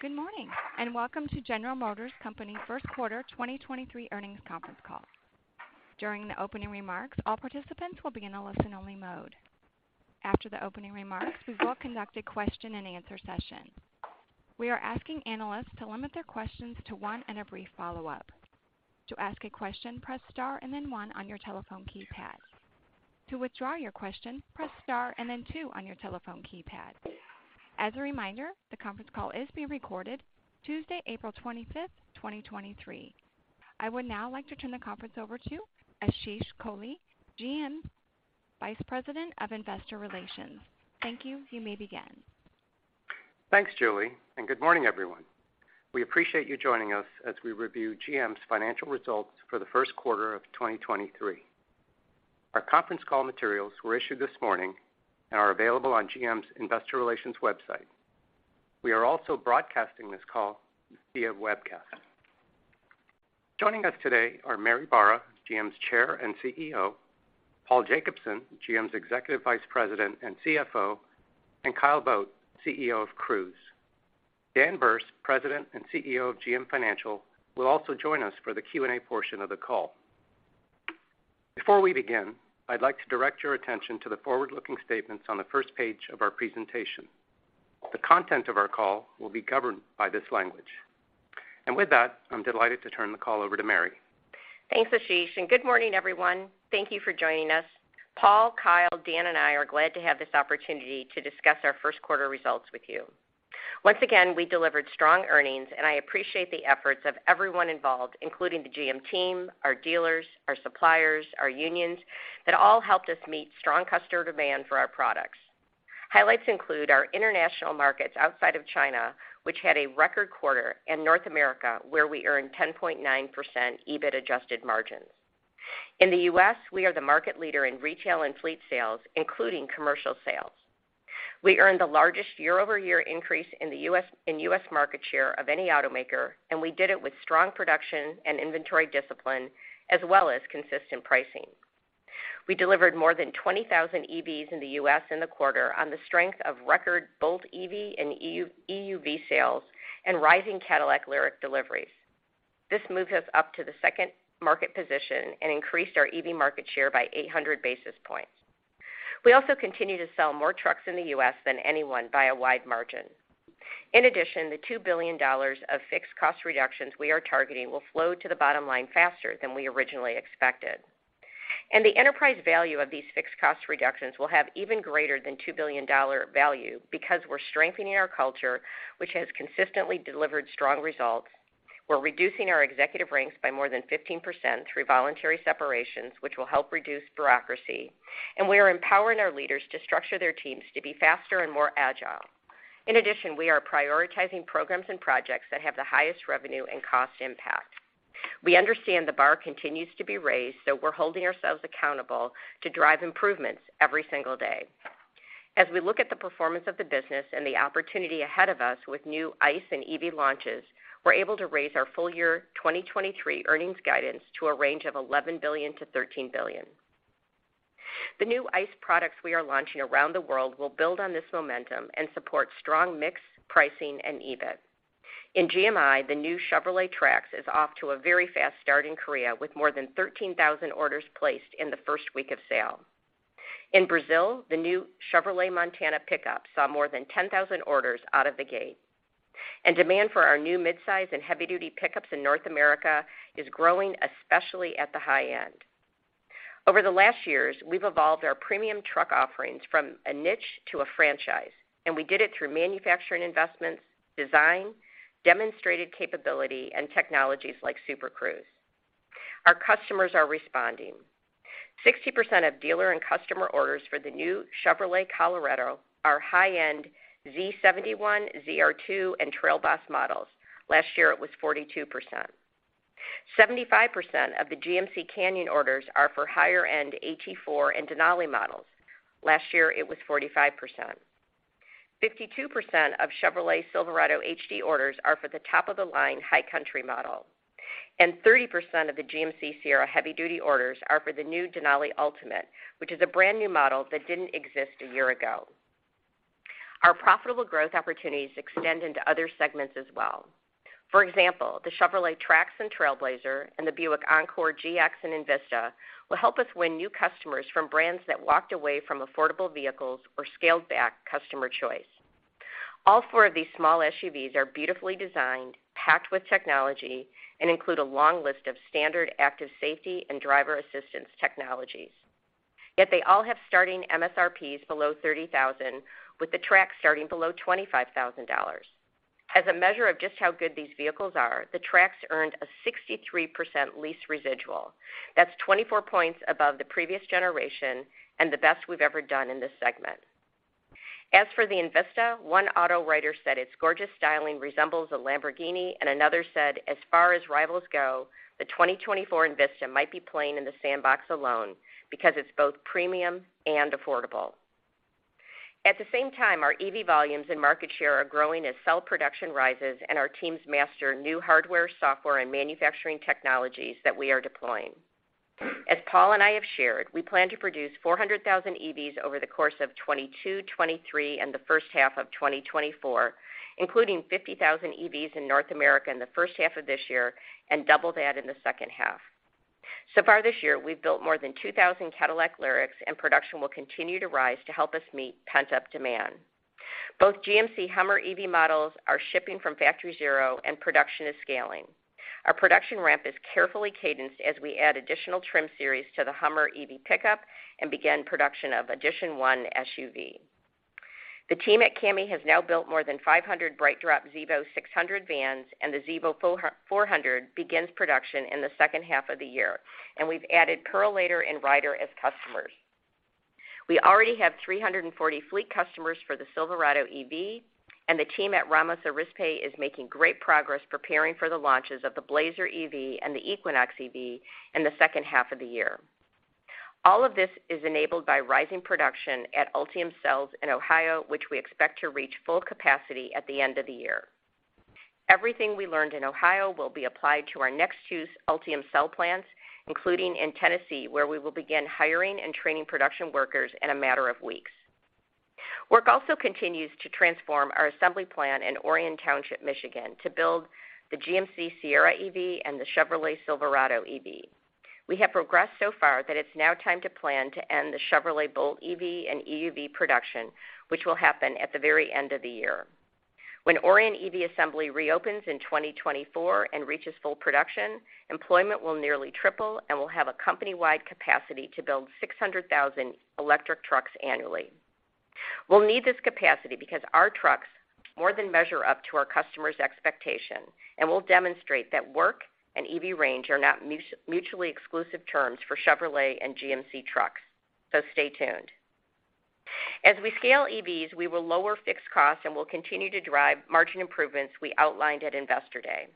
Good morning, and welcome to General Motors Company first quarter 2023 earnings conference call. During the opening remarks, all participants will be in a listen-only mode. After the opening remarks, we will conduct a question-and-answer session. We are asking analysts to limit their questions to one and a brief follow-up. To ask a question, press star and then one on your telephone keypad. To withdraw your question, press Star and then two on your telephone keypad. As a reminder, the conference call is being recorded Tuesday, April 25th, 2023. I would now like to turn the conference over to Ashish Kohli, GM's Vice President of Investor Relations. Thank you. You may begin. Thanks, Julie. Good morning, everyone. We appreciate you joining us as we review GM's financial results for the first quarter of 2023. Our conference call materials were issued this morning and are available on GM's investor relations website. We are also broadcasting this call via webcast. Joining us today are Mary Barra, GM's Chair and CEO; Paul Jacobson, GM's Executive Vice President and CFO; and Kyle Vogt, CEO of Cruise. Dan Berce, President and CEO of GM Financial, will also join us for the Q&A portion of the call. Before we begin, I'd like to direct your attention to the forward-looking statements on the first page of our presentation. The content of our call will be governed by this language. With that, I'm delighted to turn the call over to Mary. Thanks, Ashish, good morning, everyone. Thank you for joining us. Paul, Kyle, Dan, and I are glad to have this opportunity to discuss our first quarter results with you. Once again, we delivered strong earnings. I appreciate the efforts of everyone involved, including the GM team, our dealers, our suppliers, our unions that all helped us meet strong customer demand for our products. Highlights include our international markets outside of China, which had a record quarter, and North America, where we earned 10.9% EBIT adjusted margins. In the U.S., we are the market leader in retail and fleet sales, including commercial sales. We earned the largest year-over-year increase in U.S. market share of any automaker. We did it with strong production and inventory discipline as well as consistent pricing. We delivered more than 20,000 EVs in the U.S. in the quarter on the strength of record both EV and EUV sales and rising Cadillac LYRIQ deliveries. This moves us up to the second market position and increased our EV market share by 800 basis points. We also continue to sell more trucks in the U.S. than anyone by a wide margin. The $2 billion of fixed cost reductions we are targeting will flow to the bottom line faster than we originally expected. The enterprise value of these fixed cost reductions will have even greater than $2 billion value because we're strengthening our culture, which has consistently delivered strong results. We're reducing our executive ranks by more than 15% through voluntary separations, which will help reduce bureaucracy, and we are empowering our leaders to structure their teams to be faster and more agile. In addition, we are prioritizing programs and projects that have the highest revenue and cost impact. We understand the bar continues to be raised, so we're holding ourselves accountable to drive improvements every single day. As we look at the performance of the business and the opportunity ahead of us with new ICE and EV launches, we're able to raise our full year 2023 earnings guidance to a range of $11 billion-$13 billion. The new ICE products we are launching around the world will build on this momentum and support strong mix pricing and EBIT. In GMI, the new Chevrolet Trax is off to a very fast start in Korea, with more than 13,000 orders placed in the first week of sale. In Brazil, the new Chevrolet Montana pickup saw more than 10,000 orders out of the gate. Demand for our new mid-size and heavy-duty pickups in North America is growing, especially at the high end. Over the last years, we've evolved our premium truck offerings from a niche to a franchise, and we did it through manufacturing investments, design, demonstrated capability, and technologies like Super Cruise. Our customers are responding. 60% of dealer and customer orders for the new Chevrolet Colorado are high-end Z71, ZR2, and Trail Boss models. Last year, it was 42%. 75% of the GMC Canyon orders are for higher-end AT4 and Denali models. Last year, it was 45%. 52% of Chevrolet Silverado HD orders are for the top-of-the-line High Country model, and 30% of the GMC Sierra heavy-duty orders are for the new Denali Ultimate, which is a brand-new model that didn't exist a year ago. Our profitable growth opportunities extend into other segments as well. For example, the Chevrolet Trax and Trailblazer and the Buick Encore GX and Envista will help us win new customers from brands that walked away from affordable vehicles or scaled-back customer choice. All four of these small SUVs are beautifully designed, packed with technology, and include a long list of standard active safety and driver assistance technologies. Yet they all have starting MSRPs below $30,000, with the Trax starting below $25,000. As a measure of just how good these vehicles are, the Trax earned a 63% lease residual. That's 24 points above the previous generation and the best we've ever done in this segment. As for the Envista, one auto writer said its gorgeous styling resembles a Lamborghini, and another said, "As far as rivals go, the 2024 Envista might be playing in the sandbox alone because it's both premium and affordable." At the same time, our EV volumes and market share are growing as cell production rises and our teams master new hardware, software, and manufacturing technologies that we are deploying. As Paul and I have shared, we plan to produce 400,000 EVs over the course of 2022, 2023, and the first half of 2024, including 50,000 EVs in North America in the first half of this year and double that in the second half. So far this year, we've built more than 2,000 Cadillac LYRIQs, production will continue to rise to help us meet pent-up demand. Both GMC Hummer EV models are shipping from Factory Zero, production is scaling. Our production ramp is carefully cadenced as we add additional trim series to the Hummer EV pickup and begin production of Edition One SUV. The team at CAMI has now built more than 500 BrightDrop Zevo 600 vans, the Zevo 400 begins production in the second half of the year, we've added Purolator and Ryder as customers. We already have 340 fleet customers for the Silverado EV, the team at Ramos Arizpe is making great progress preparing for the launches of the Blazer EV and the Equinox EV in the second half of the year. All of this is enabled by rising production at Ultium Cells in Ohio, which we expect to reach full capacity at the end of the year. Everything we learned in Ohio will be applied to our next two Ultium cell plants, including in Tennessee, where we will begin hiring and training production workers in a matter of weeks. Work also continues to transform our assembly plant in Orion Township, Michigan, to build the GMC Sierra EV and the Chevrolet Silverado EV. We have progressed so far that it's now time to plan to end the Chevrolet Bolt EV and EUV production, which will happen at the very end of the year. When Orion EV assembly reopens in 2024 and reaches full production, employment will nearly triple, and we'll have a company-wide capacity to build 600,000 electric trucks annually. We'll need this capacity because our trucks more than measure up to our customers' expectation, and we'll demonstrate that work and EV range are not mutually exclusive terms for Chevrolet and GMC trucks. Stay tuned. As we scale EVs, we will lower fixed costs, and we'll continue to drive margin improvements we outlined at Investor Day.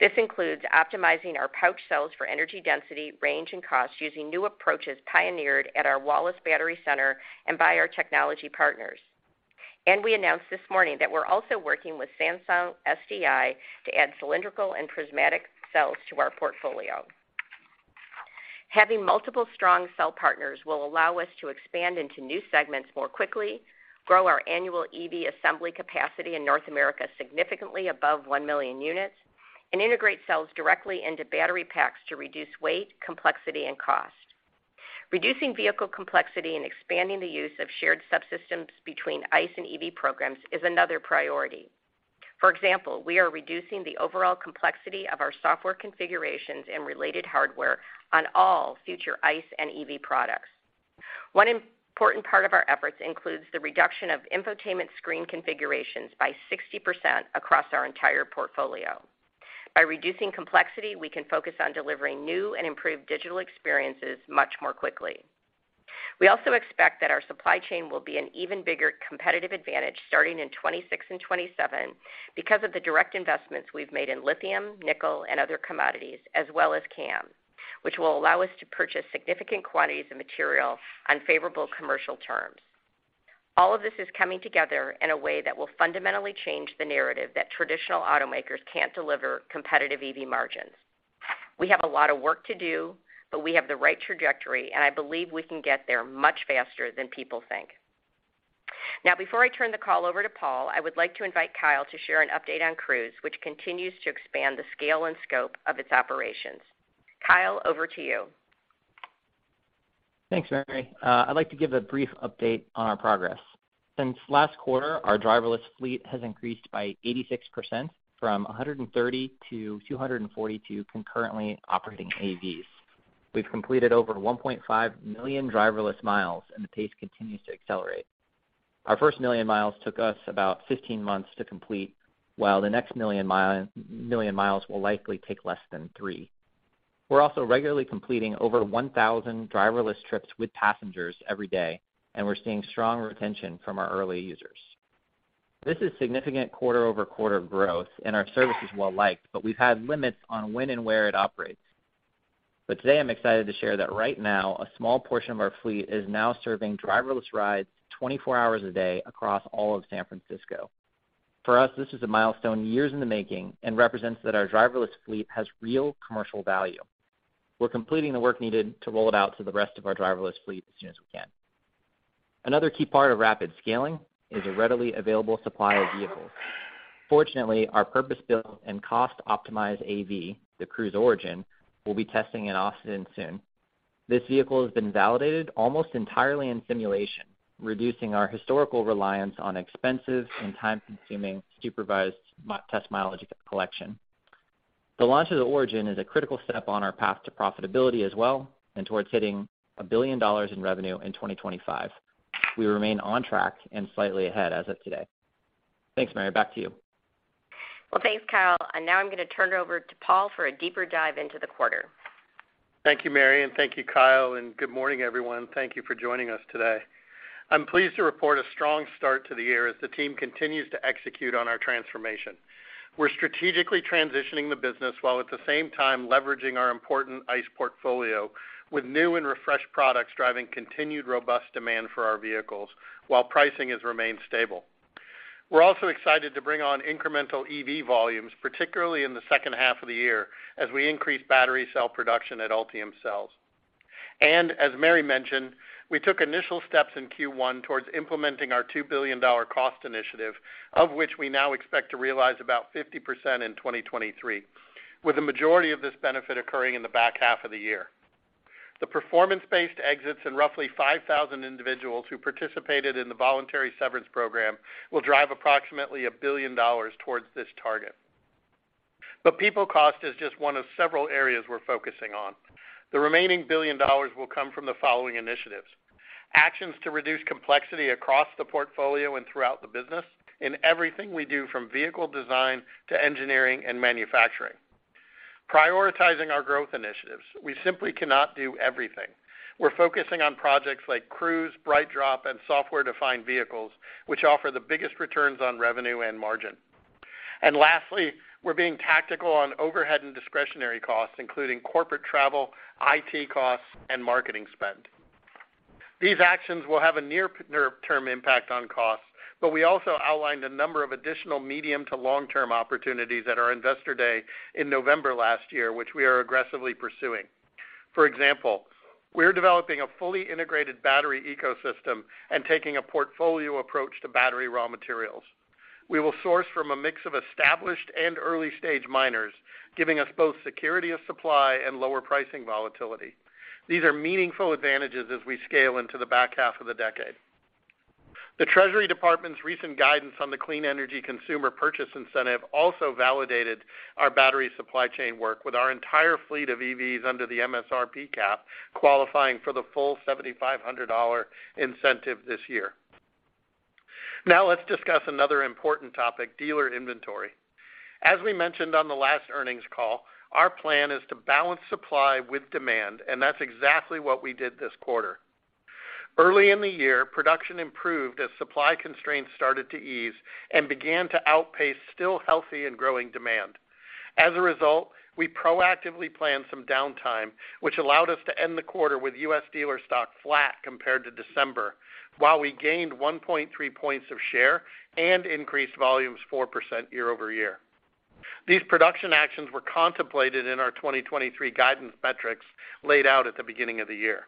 This includes optimizing our pouch cells for energy density, range, and cost using new approaches pioneered at our Wallace Battery Center and by our technology partners. We announced this morning that we're also working with Samsung SDI to add cylindrical and prismatic cells to our portfolio. Having multiple strong cell partners will allow us to expand into new segments more quickly, grow our annual EV assembly capacity in North America significantly above 1 million units, and integrate cells directly into battery packs to reduce weight, complexity, and cost. Reducing vehicle complexity and expanding the use of shared subsystems between ICE and EV programs is another priority. For example, we are reducing the overall complexity of our software configurations and related hardware on all future ICE and EV products. One important part of our efforts includes the reduction of infotainment screen configurations by 60% across our entire portfolio. By reducing complexity, we can focus on delivering new and improved digital experiences much more quickly. We also expect that our supply chain will be an even bigger competitive advantage starting in 2026 and 2027 because of the direct investments we've made in lithium, nickel, and other commodities, as well as CAM, which will allow us to purchase significant quantities of material on favorable commercial terms. All of this is coming together in a way that will fundamentally change the narrative that traditional automakers can't deliver competitive EV margins. We have a lot of work to do, but we have the right trajectory, and I believe we can get there much faster than people think. Now, before I turn the call over to Paul, I would like to invite Kyle to share an update on Cruise, which continues to expand the scale and scope of its operations. Kyle, over to you. Thanks, Mary. I'd like to give a brief update on our progress. Since last quarter, our driverless fleet has increased by 86% from 130 to 242 concurrently operating AVs. We've completed over 1.5 million driverless miles, and the pace continues to accelerate. Our first million miles took us about 15 months to complete, while the next million miles will likely take less than three. We're also regularly completing over 1,000 driverless trips with passengers every day, and we're seeing strong retention from our early users. This is significant quarter-over-quarter growth, and our service is well-liked, but we've had limits on when and where it operates. Today, I'm excited to share that right now a small portion of our fleet is now serving driverless rides 24 hours a day across all of San Francisco. For us, this is a milestone years in the making and represents that our driverless fleet has real commercial value. We're completing the work needed to roll it out to the rest of our driverless fleet as soon as we can. Another key part of rapid scaling is a readily available supply of vehicles. Fortunately, our purpose-built and cost-optimized AV, the Cruise Origin, will be testing in Austin soon. This vehicle has been validated almost entirely in simulation, reducing our historical reliance on expensive and time-consuming supervised test mileage collection. The launch of the Origin is a critical step on our path to profitability as well and towards hitting $1 billion in revenue in 2025. We remain on track and slightly ahead as of today. Thanks, Mary. Back to you. Well, thanks, Kyle. Now I'm gonna turn it over to Paul for a deeper dive into the quarter. Thank you, Mary. Thank you, Kyle. Good morning, everyone. Thank you for joining us today. I'm pleased to report a strong start to the year as the team continues to execute on our transformation. We're strategically transitioning the business while at the same time leveraging our important ICE portfolio with new and refreshed products driving continued robust demand for our vehicles while pricing has remained stable. We're also excited to bring on incremental EV volumes, particularly in the second half of the year as we increase battery cell production at Ultium Cells. As Mary mentioned, we took initial steps in Q1 towards implementing our $2 billion cost initiative, of which we now expect to realize about 50% in 2023, with the majority of this benefit occurring in the back half of the year. The performance-based exits in roughly 5,000 individuals who participated in the voluntary severance program will drive approximately $1 billion towards this target. People cost is just one of several areas we're focusing on. The remaining $1 billion will come from the following initiatives: actions to reduce complexity across the portfolio and throughout the business in everything we do from vehicle design to engineering and manufacturing. Prioritizing our growth initiatives, we simply cannot do everything. We're focusing on projects like Cruise, BrightDrop, and software-defined vehicles, which offer the biggest returns on revenue and margin. Lastly, we're being tactical on overhead and discretionary costs, including corporate travel, IT costs, and marketing spend. These actions will have a near-term impact on costs, but we also outlined a number of additional medium to long-term opportunities at our Investor Day in November last year, which we are aggressively pursuing. For example, we are developing a fully integrated battery ecosystem and taking a portfolio approach to battery raw materials. We will source from a mix of established and early-stage miners, giving us both security of supply and lower pricing volatility. These are meaningful advantages as we scale into the back half of the decade. The Treasury Department's recent guidance on the Clean Energy Consumer Purchase Incentive also validated our battery supply chain work with our entire fleet of EVs under the MSRP cap qualifying for the full $7,500 incentive this year. Let's discuss another important topic, dealer inventory. As we mentioned on the last earnings call, our plan is to balance supply with demand, and that's exactly what we did this quarter. Early in the year, production improved as supply constraints started to ease and began to outpace still healthy and growing demand. As a result, we proactively planned some downtime, which allowed us to end the quarter with U.S. dealer stock flat compared to December, while we gained 1.3 points of share and increased volumes 4% year-over-year. These production actions were contemplated in our 2023 guidance metrics laid out at the beginning of the year.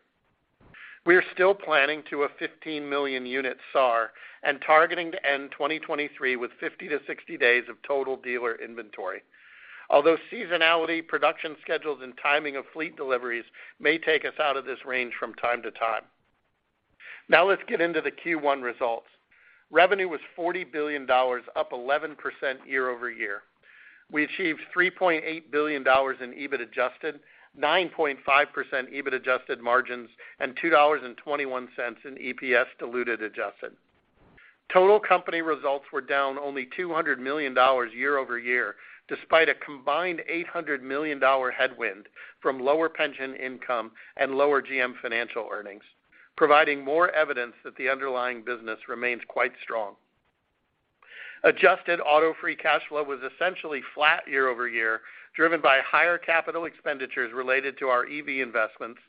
We are still planning to a 15 million unit SAAR and targeting to end 2023 with 50 to 60 days of total dealer inventory. Seasonality, production schedules, and timing of fleet deliveries may take us out of this range from time to time. Let's get into the Q1 results. Revenue was $40 billion, up 11% year-over-year. We achieved $3.8 billion in EBIT adjusted, 9.5% EBIT adjusted margins, and $2.21 in EPS diluted adjusted. Total company results were down only $200 million year-over-year, despite a combined $800 million headwind from lower pension income and lower GM Financial earnings, providing more evidence that the underlying business remains quite strong. Adjusted auto free cash flow was essentially flat year-over-year, driven by higher capital expenditures related to our EV investments,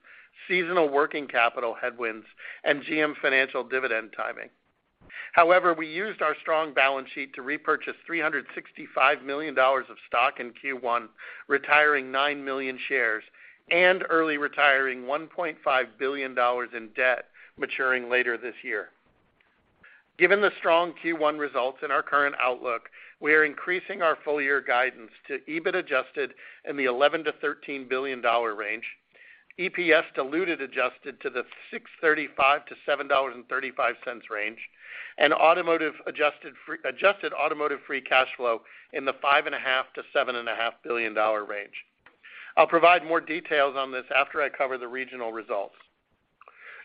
seasonal working capital headwinds, and GM Financial dividend timing. However, we used our strong balance sheet to repurchase $365 million of stock in Q1, retiring 9 million shares, and early retiring $1.5 billion in debt maturing later this year. Given the strong Q1 results in our current outlook, we are increasing our full-year guidance to EBIT adjusted in the $11 billion-$13 billion range, EPS diluted adjusted to the $6.35-$7.35 range, and adjusted automotive free cash flow in the $5.5 billion-$7.5 billion range. I'll provide more details on this after I cover the regional results.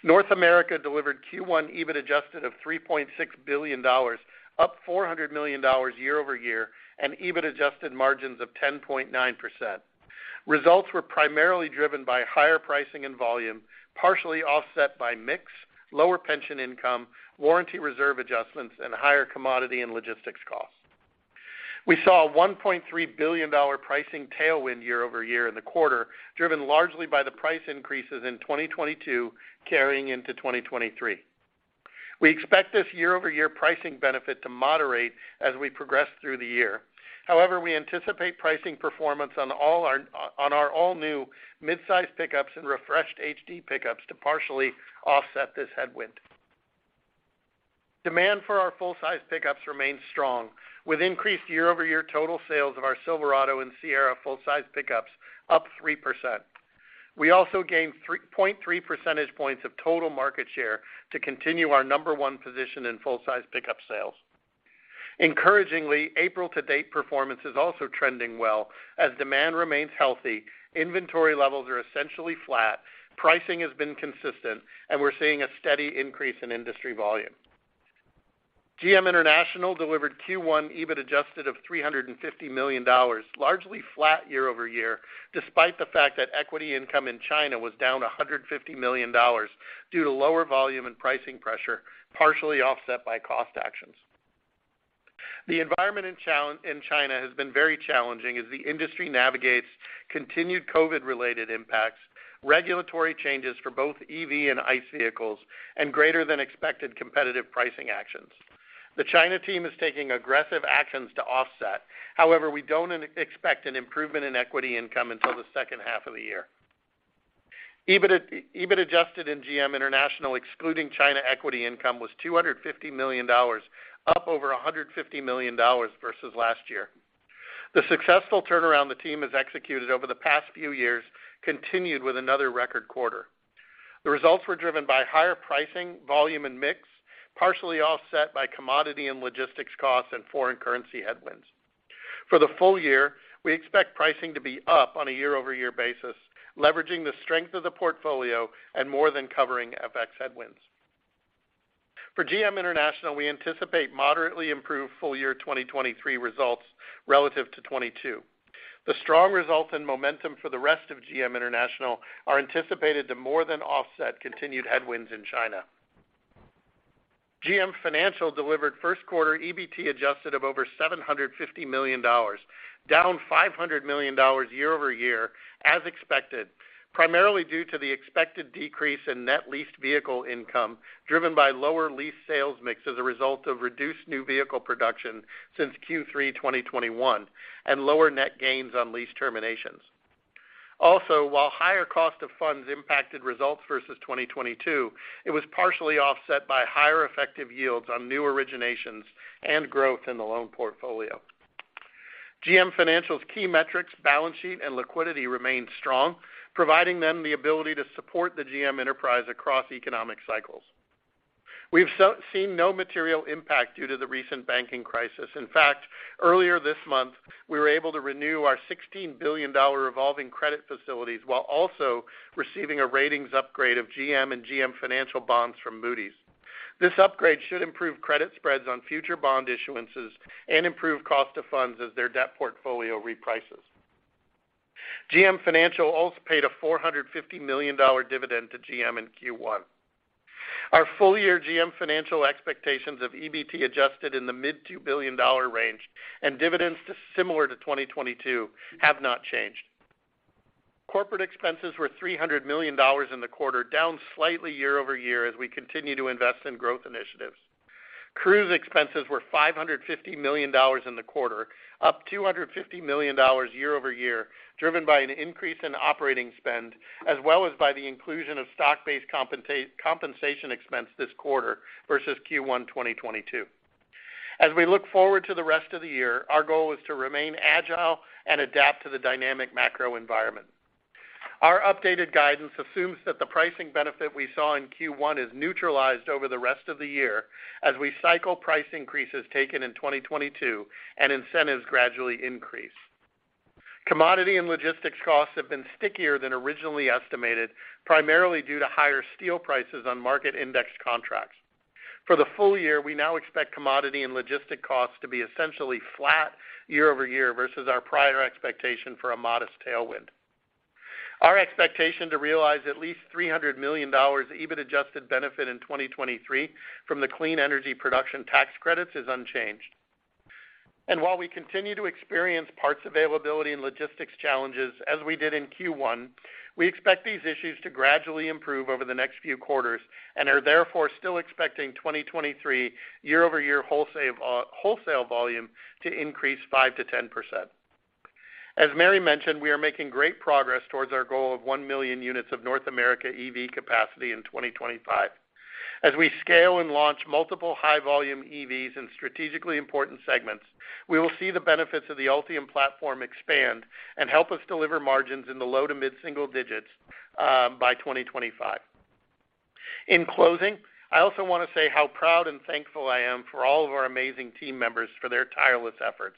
North America delivered Q1 EBIT adjusted of $3.6 billion, up $400 million year-over-year, and EBIT adjusted margins of 10.9%. Results were primarily driven by higher pricing and volume, partially offset by mix, lower pension income, warranty reserve adjustments, and higher commodity and logistics costs. We saw a $1.3 billion pricing tailwind year-over-year in the quarter, driven largely by the price increases in 2022 carrying into 2023. We expect this year-over-year pricing benefit to moderate as we progress through the year. However, we anticipate pricing performance on our all-new mid-size pickups and refreshed HD pickups to partially offset this headwind. Demand for our full-size pickups remains strong, with increased year-over-year total sales of our Silverado and Sierra full-size pickups up 3%. We also gained 3.3 percentage points of total market share to continue our number one position in full-size pickup sales. Encouragingly, April to date performance is also trending well as demand remains healthy, inventory levels are essentially flat, pricing has been consistent, and we're seeing a steady increase in industry volume. GM International delivered Q1 EBIT adjusted of $350 million, largely flat year-over-year, despite the fact that equity income in China was down $150 million due to lower volume and pricing pressure, partially offset by cost actions. The environment in China has been very challenging as the industry navigates continued COVID-related impacts, regulatory changes for both EV and ICE vehicles, and greater than expected competitive pricing actions. The China team is taking aggressive actions to offset. We don't expect an improvement in equity income until the second half of the year. EBIT adjusted in GM International, excluding China equity income, was $250 million, up over $150 million versus last year. The successful turnaround the team has executed over the past few years continued with another record quarter. The results were driven by higher pricing, volume and mix, partially offset by commodity and logistics costs and foreign currency headwinds. For the full year, we expect pricing to be up on a year-over-year basis, leveraging the strength of the portfolio and more than covering FX headwinds. For GM International, we anticipate moderately improved full year 2023 results relative to 2022. The strong results and momentum for the rest of GM International are anticipated to more than offset continued headwinds in China. GM Financial delivered first quarter EBT adjusted of over $750 million, down $500 million year-over-year as expected, primarily due to the expected decrease in net leased vehicle income, driven by lower lease sales mix as a result of reduced new vehicle production since Q3 2021 and lower net gains on lease terminations. Also, while higher cost of funds impacted results versus 2022, it was partially offset by higher effective yields on new originations and growth in the loan portfolio. GM Financial's key metrics, balance sheet, and liquidity remain strong, providing them the ability to support the GM enterprise across economic cycles. We've seen no material impact due to the recent banking crisis. In fact, earlier this month, we were able to renew our $16 billion revolving credit facilities while also receiving a ratings upgrade of GM and GM Financial bonds from Moody's. This upgrade should improve credit spreads on future bond issuances and improve cost of funds as their debt portfolio reprices. GM Financial also paid a $450 million dividend to GM in Q1. Our full-year GM Financial expectations of EBT adjusted in the mid $2 billion range and dividends similar to 2022 have not changed. Corporate expenses were $300 million in the quarter, down slightly year-over-year as we continue to invest in growth initiatives. Cruise expenses were $550 million in the quarter, up $250 million year-over-year, driven by an increase in operating spend, as well as by the inclusion of stock-based compensation expense this quarter versus Q1 2022. As we look forward to the rest of the year, our goal is to remain agile and adapt to the dynamic macro environment. Our updated guidance assumes that the pricing benefit we saw in Q1 is neutralized over the rest of the year as we cycle price increases taken in 2022 and incentives gradually increase. Commodity and logistics costs have been stickier than originally estimated, primarily due to higher steel prices on market-indexed contracts. For the full year, we now expect commodity and logistic costs to be essentially flat year-over-year versus our prior expectation for a modest tailwind. Our expectation to realize at least $300 million EBIT-adjusted benefit in 2023 from the clean energy production tax credits is unchanged. While we continue to experience parts availability and logistics challenges as we did in Q1, we expect these issues to gradually improve over the next few quarters and are therefore still expecting 2023 year-over-year wholesale volume to increase 5%-10%. As Mary mentioned, we are making great progress towards our goal of 1 million units of North America EV capacity in 2025. As we scale and launch multiple high volume EVs in strategically important segments, we will see the benefits of the Ultium platform expand and help us deliver margins in the low to mid single digits by 2025. In closing, I also want to say how proud and thankful I am for all of our amazing team members for their tireless efforts.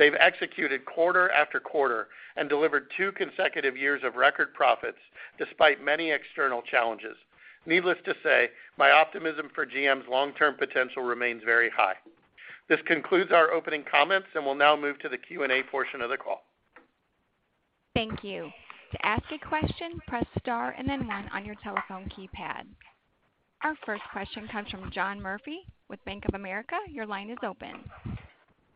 They've executed quarter after quarter and delivered two consecutive years of record profits despite many external challenges. Needless to say, my optimism for GM's long-term potential remains very high. This concludes our opening comments, and we'll now move to the Q&A portion of the call. Thank you. To ask a question, press star and then one on your telephone keypad. Our first question comes from John Murphy with Bank of America. Your line is open.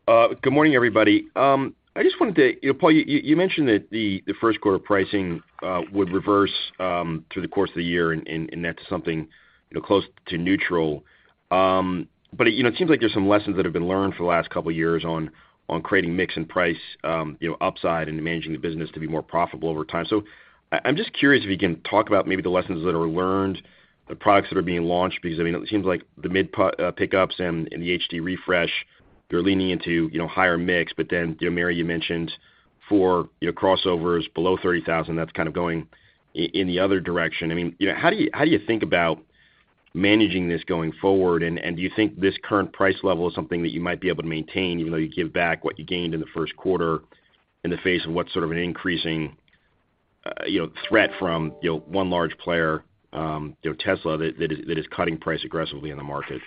Good morning, everybody. I just wanted to you know, Paul, you mentioned that the first quarter pricing would reverse through the course of the year and that's something, you know, close to neutral. You know, it seems like there's some lessons that have been learned for the last couple of years on creating mix and price, you know, upside and managing the business to be more profitable over time. I'm just curious if you can talk about maybe the lessons that are learned, the products that are being launched, because, I mean, it seems like the mid pickups and the HD refresh, they're leaning into, you know, higher mix. You know, Mary, you mentioned for, you know, crossovers below 30,000, that's kind of going in the other direction. I mean, you know, how do you think about managing this going forward? Do you think this current price level is something that you might be able to maintain even though you give back what you gained in the first quarter in the face of what's sort of an increasing, you know, threat from, you know, one large player, Tesla, that is cutting price aggressively in the market?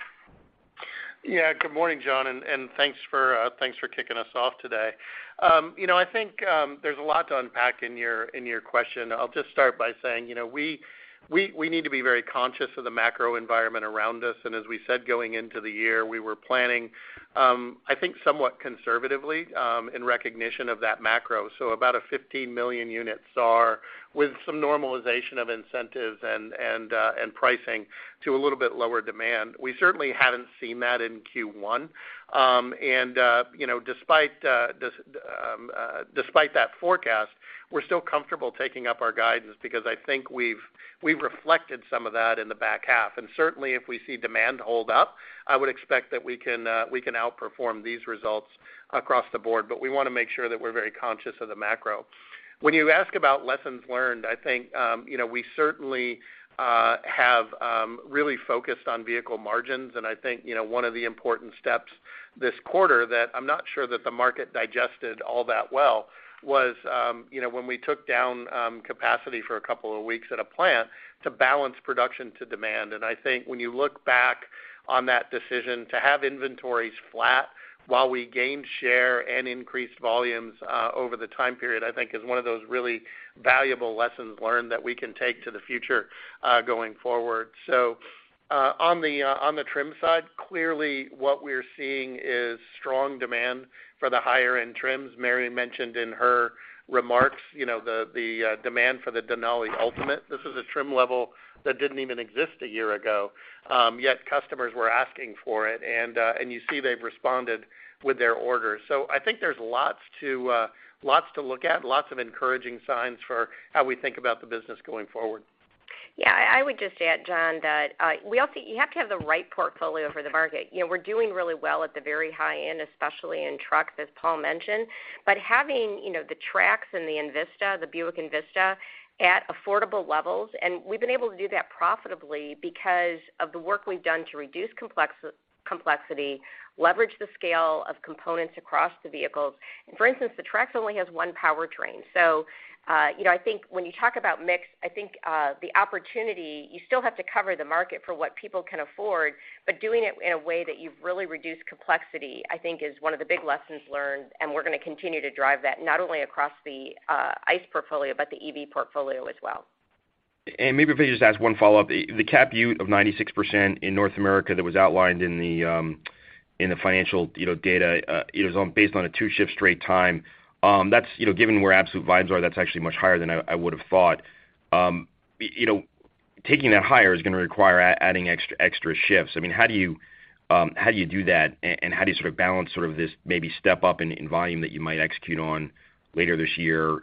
Good morning, John, and thanks for kicking us off today. You know, I think there's a lot to unpack in your question. I'll just start by saying, you know, we need to be very conscious of the macro environment around us. As we said going into the year, we were planning, I think somewhat conservatively, in recognition of that macro. About a 15 million unit SAAR with some normalization of incentives and pricing to a little bit lower demand. We certainly haven't seen that in Q1. You know, despite this despite that forecast, we're still comfortable taking up our guidance because I think we've reflected some of that in the back half. Certainly, if we see demand hold up, I would expect that we can, we can outperform these results across the board, but we wanna make sure that we're very conscious of the macro. When you ask about lessons learned, I think, you know, we certainly have really focused on vehicle margins. I think, you know, one of the important steps this quarter that I'm not sure that the market digested all that well was, you know, when we took down capacity for two weeks at a plant to balance production to demand. I think when you look back on that decision to have inventories flat while we gained share and increased volumes over the time period, I think is one of those really valuable lessons learned that we can take to the future going forward. On the, on the trim side, clearly what we're seeing is strong demand for the higher-end trims. Mary mentioned in her remarks, you know, the, demand for the Denali Ultimate. This is a trim level that didn't even exist a year ago, yet customers were asking for it. You see they've responded with their orders. I think there's lots to, lots to look at, lots of encouraging signs for how we think about the business going forward. Yeah. I would just add, John, that you have to have the right portfolio for the market. You know, we're doing really well at the very high end, especially in truck, as Paul mentioned. Having, you know, the Trax and the Envista, the Buick Envista at affordable levels, and we've been able to do that profitably because of the work we've done to reduce complexity, leverage the scale of components across the vehicles. For instance, the Trax only has one powertrain. You know, I think when you talk about mix, I think, the opportunity, you still have to cover the market for what people can afford, but doing it in a way that you've really reduced complexity, I think is one of the big lessons learned, and we're gonna continue to drive that not only across the ICE portfolio, but the EV portfolio as well. Maybe if I could just ask one follow-up. The Capacity Utilization of 96% in North America that was outlined in the financial, you know, data, it was on based on a two-shift straight time. That's, you know, given where absolute vibes are, that's actually much higher than I would have thought. You know, taking that higher is gonna require adding extra shifts. I mean, how do you how do you do that, and how do you sort of balance this maybe step up in volume that you might execute on later this year?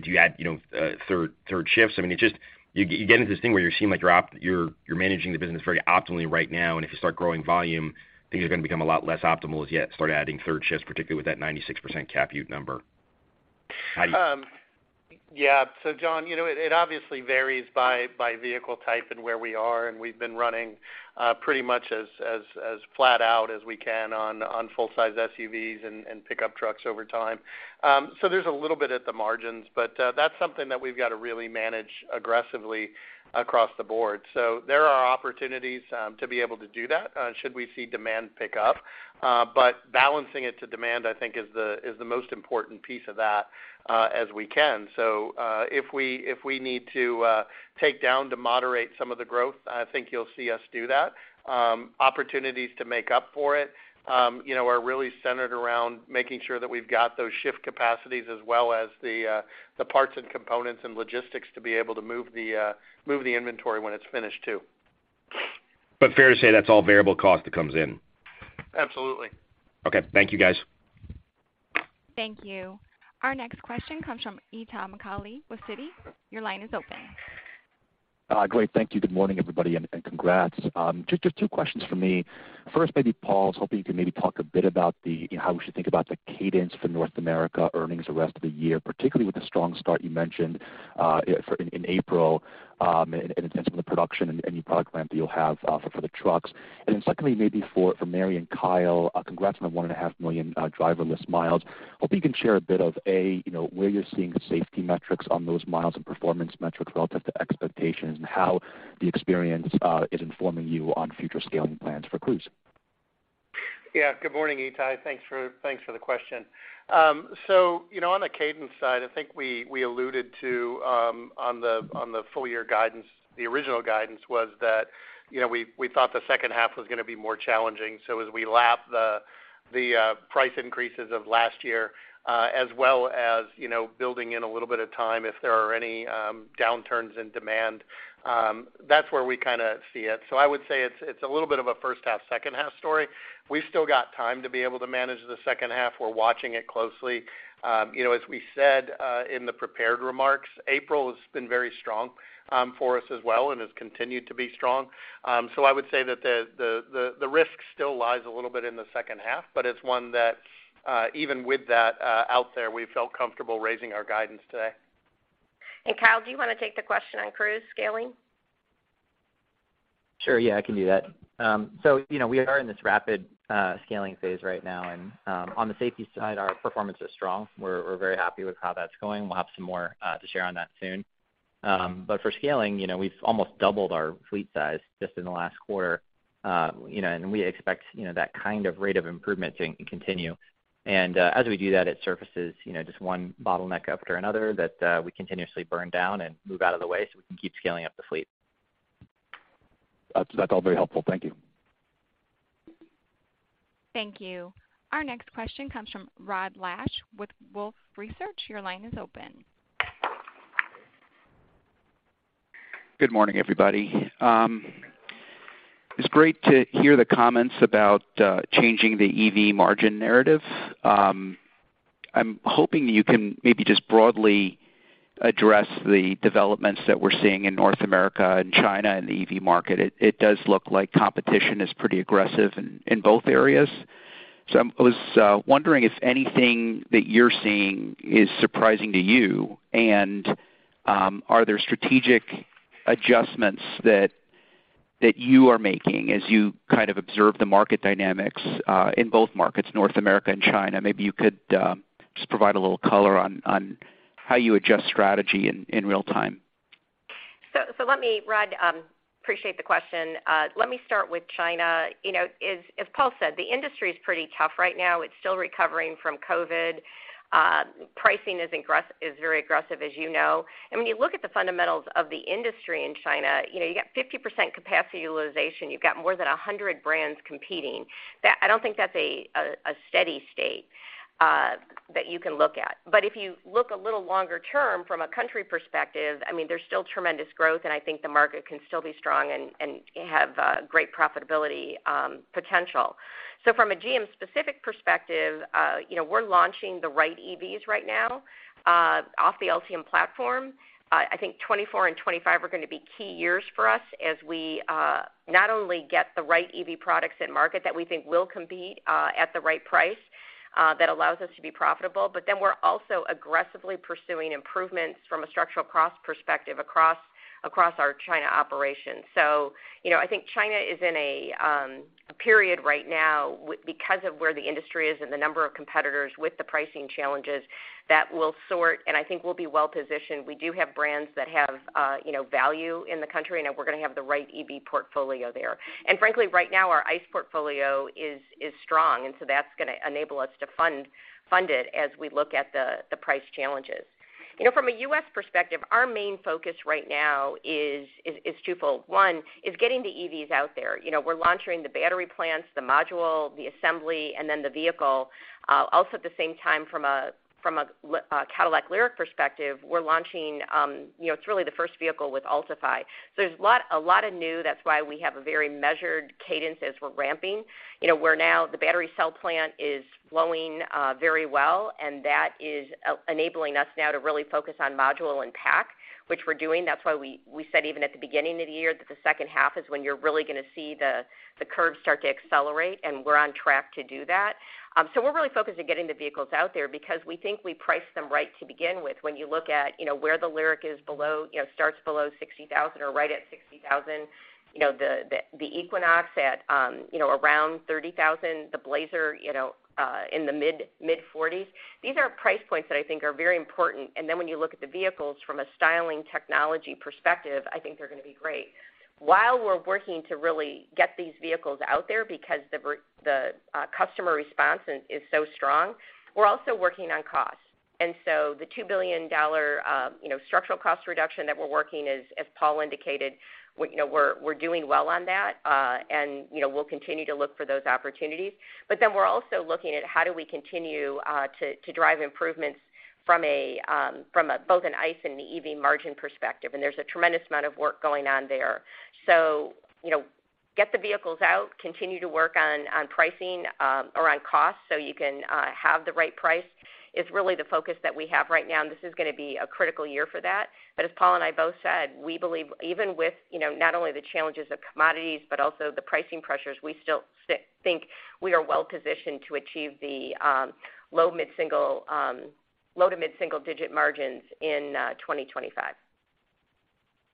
Do you add, you know, third shifts? I mean, it just. You get into this thing where you seem like you're managing the business very optimally right now, if you start growing volume, things are gonna become a lot less optimal as you start adding third shifts, particularly with that 96% Capacity Utilization number. How do you? John, you know, it obviously varies by vehicle type and where we are, and we've been running pretty much as flat out as we can on full-size SUVs and pickup trucks over time. There's a little bit at the margins, but that's something that we've got to really manage aggressively across the board. There are opportunities to be able to do that should we see demand pick up. But balancing it to demand, I think is the most important piece of that as we can. If we need to take down to moderate some of the growth, I think you'll see us do that. Opportunities to make up for it, you know, are really centered around making sure that we've got those shift capacities as well as the parts and components and logistics to be able to move the inventory when it's finished too. Fair to say that's all variable cost that comes in? Absolutely. Okay. Thank you, guys. Thank you. Our next question comes from Itay Michaeli with Citi. Your line is open. Great. Thank you. Good morning, everybody, and congrats. Just two questions from me. First, maybe Paul, I was hoping you could maybe talk a bit about the, you know, how we should think about the cadence for North America earnings the rest of the year, particularly with the strong start you mentioned for in April, and in terms of the production and any product ramp that you'll have for the trucks. Secondly, maybe for Mary and Kyle, congrats on the 1.5 million driverless miles. Hoping you can share a bit of, A, you know, where you're seeing the safety metrics on those miles and performance metrics relative to expectations and how the experience is informing you on future scaling plans for Cruise. Good morning, Itay. Thanks for the question. You know, on the cadence side, I think we alluded to on the full year guidance, the original guidance was that, you know, we thought the second half was gonna be more challenging. As we lap the price increases of last year, as well as, you know, building in a little bit of time, if there are any downturns in demand, that's where we kinda see it. I would say it's a little bit of a first half, second half story. We've still got time to be able to manage the second half. We're watching it closely. You know, as we said in the prepared remarks, April has been very strong for us as well and has continued to be strong. I would say that the risk still lies a little bit in the second half, but it's one that, even with that, out there, we felt comfortable raising our guidance today. Kyle, do you wanna take the question on Cruise scaling? Sure. Yeah, I can do that. you know, we are in this rapid scaling phase right now, and on the safety side, our performance is strong. We're very happy with how that's going. We'll have some more to share on that soon. For scaling, you know, we've almost doubled our fleet size just in the last quarter, you know, We expect, you know, that kind of rate of improvement to continue. As we do that, it surfaces, you know, just one bottleneck after another that we continuously burn down and move out of the way so we can keep scaling up the fleet. That's all very helpful. Thank you. Thank you. Our next question comes from Rod Lache with Wolfe Research. Your line is open. Good morning, everybody. It's great to hear the comments about changing the EV margin narrative. I'm hoping you can maybe just broadly address the developments that we're seeing in North America and China in the EV market. It does look like competition is pretty aggressive in both areas. I was wondering if anything that you're seeing is surprising to you, and are there strategic adjustments that you are making as you kind of observe the market dynamics in both markets, North America and China? Maybe you could just provide a little color on how you adjust strategy in real time. Let me. Rod, appreciate the question. Let me start with China. You know, as Paul said, the industry is pretty tough right now. It's still recovering from COVID. Pricing is very aggressive, as you know. When you look at the fundamentals of the industry in China, you know, you got 50% Capacity Utilization, you've got more than 100 brands competing. I don't think that's a steady state that you can look at. If you look a little longer term from a country perspective, I mean, there's still tremendous growth, and I think the market can still be strong and have great profitability potential. From a GM-specific perspective, you know, we're launching the right EVs right now off the Ultium platform. I think 2024 and 2025 are gonna be key years for us as we not only get the right EV products in market that we think will compete at the right price that allows us to be profitable, but then we're also aggressively pursuing improvements from a structural cost perspective across our China operations. You know, I think China is in a period right now because of where the industry is and the number of competitors with the pricing challenges that will sort, and I think we'll be well-positioned. We do have brands that have, you know, value in the country, and we're gonna have the right EV portfolio there. Frankly, right now, our ICE portfolio is strong, and so that's gonna enable us to fund it as we look at the price challenges. You know, from a U.S. perspective, our main focus right now is twofold. One is getting the EVs out there. You know, we're launching the battery plants, the module, the assembly, and then the vehicle. Also at the same time, from a Cadillac LYRIQ perspective, we're launching, you know, it's really the first vehicle with Ultifi. There's a lot of new. That's why we have a very measured cadence as we're ramping. You know, we're now, the battery cell plant is flowing very well, and that is enabling us now to really focus on module and pack, which we're doing. That's why we said even at the beginning of the year that the second half is when you're really gonna see the curve start to accelerate, and we're on track to do that. We're really focused on getting the vehicles out there because we think we priced them right to begin with. When you look at, you know, where the LYRIQ is below, you know, starts below $60,000 or right at $60,000, you know, the Equinox at, you know, around $30,000, the Blazer, you know, in the mid-forties. These are price points that I think are very important. When you look at the vehicles from a styling technology perspective, I think they're gonna be great. While we're working to really get these vehicles out there because the customer response is so strong, we're also working on costs. The $2 billion, you know, structural cost reduction that we're working, as Paul indicated, you know, we're doing well on that. You know, we'll continue to look for those opportunities. We're also looking at how do we continue to drive improvements from a both an ICE and the EV margin perspective, and there's a tremendous amount of work going on there. You know, get the vehicles out, continue to work on pricing, or on cost so you can have the right price is really the focus that we have right now, and this is gonna be a critical year for that. As Paul and I both said, we believe even with, you know, not only the challenges of commodities but also the pricing pressures, we still think we are well-positioned to achieve the low-to-mid single-digit margins in 2025.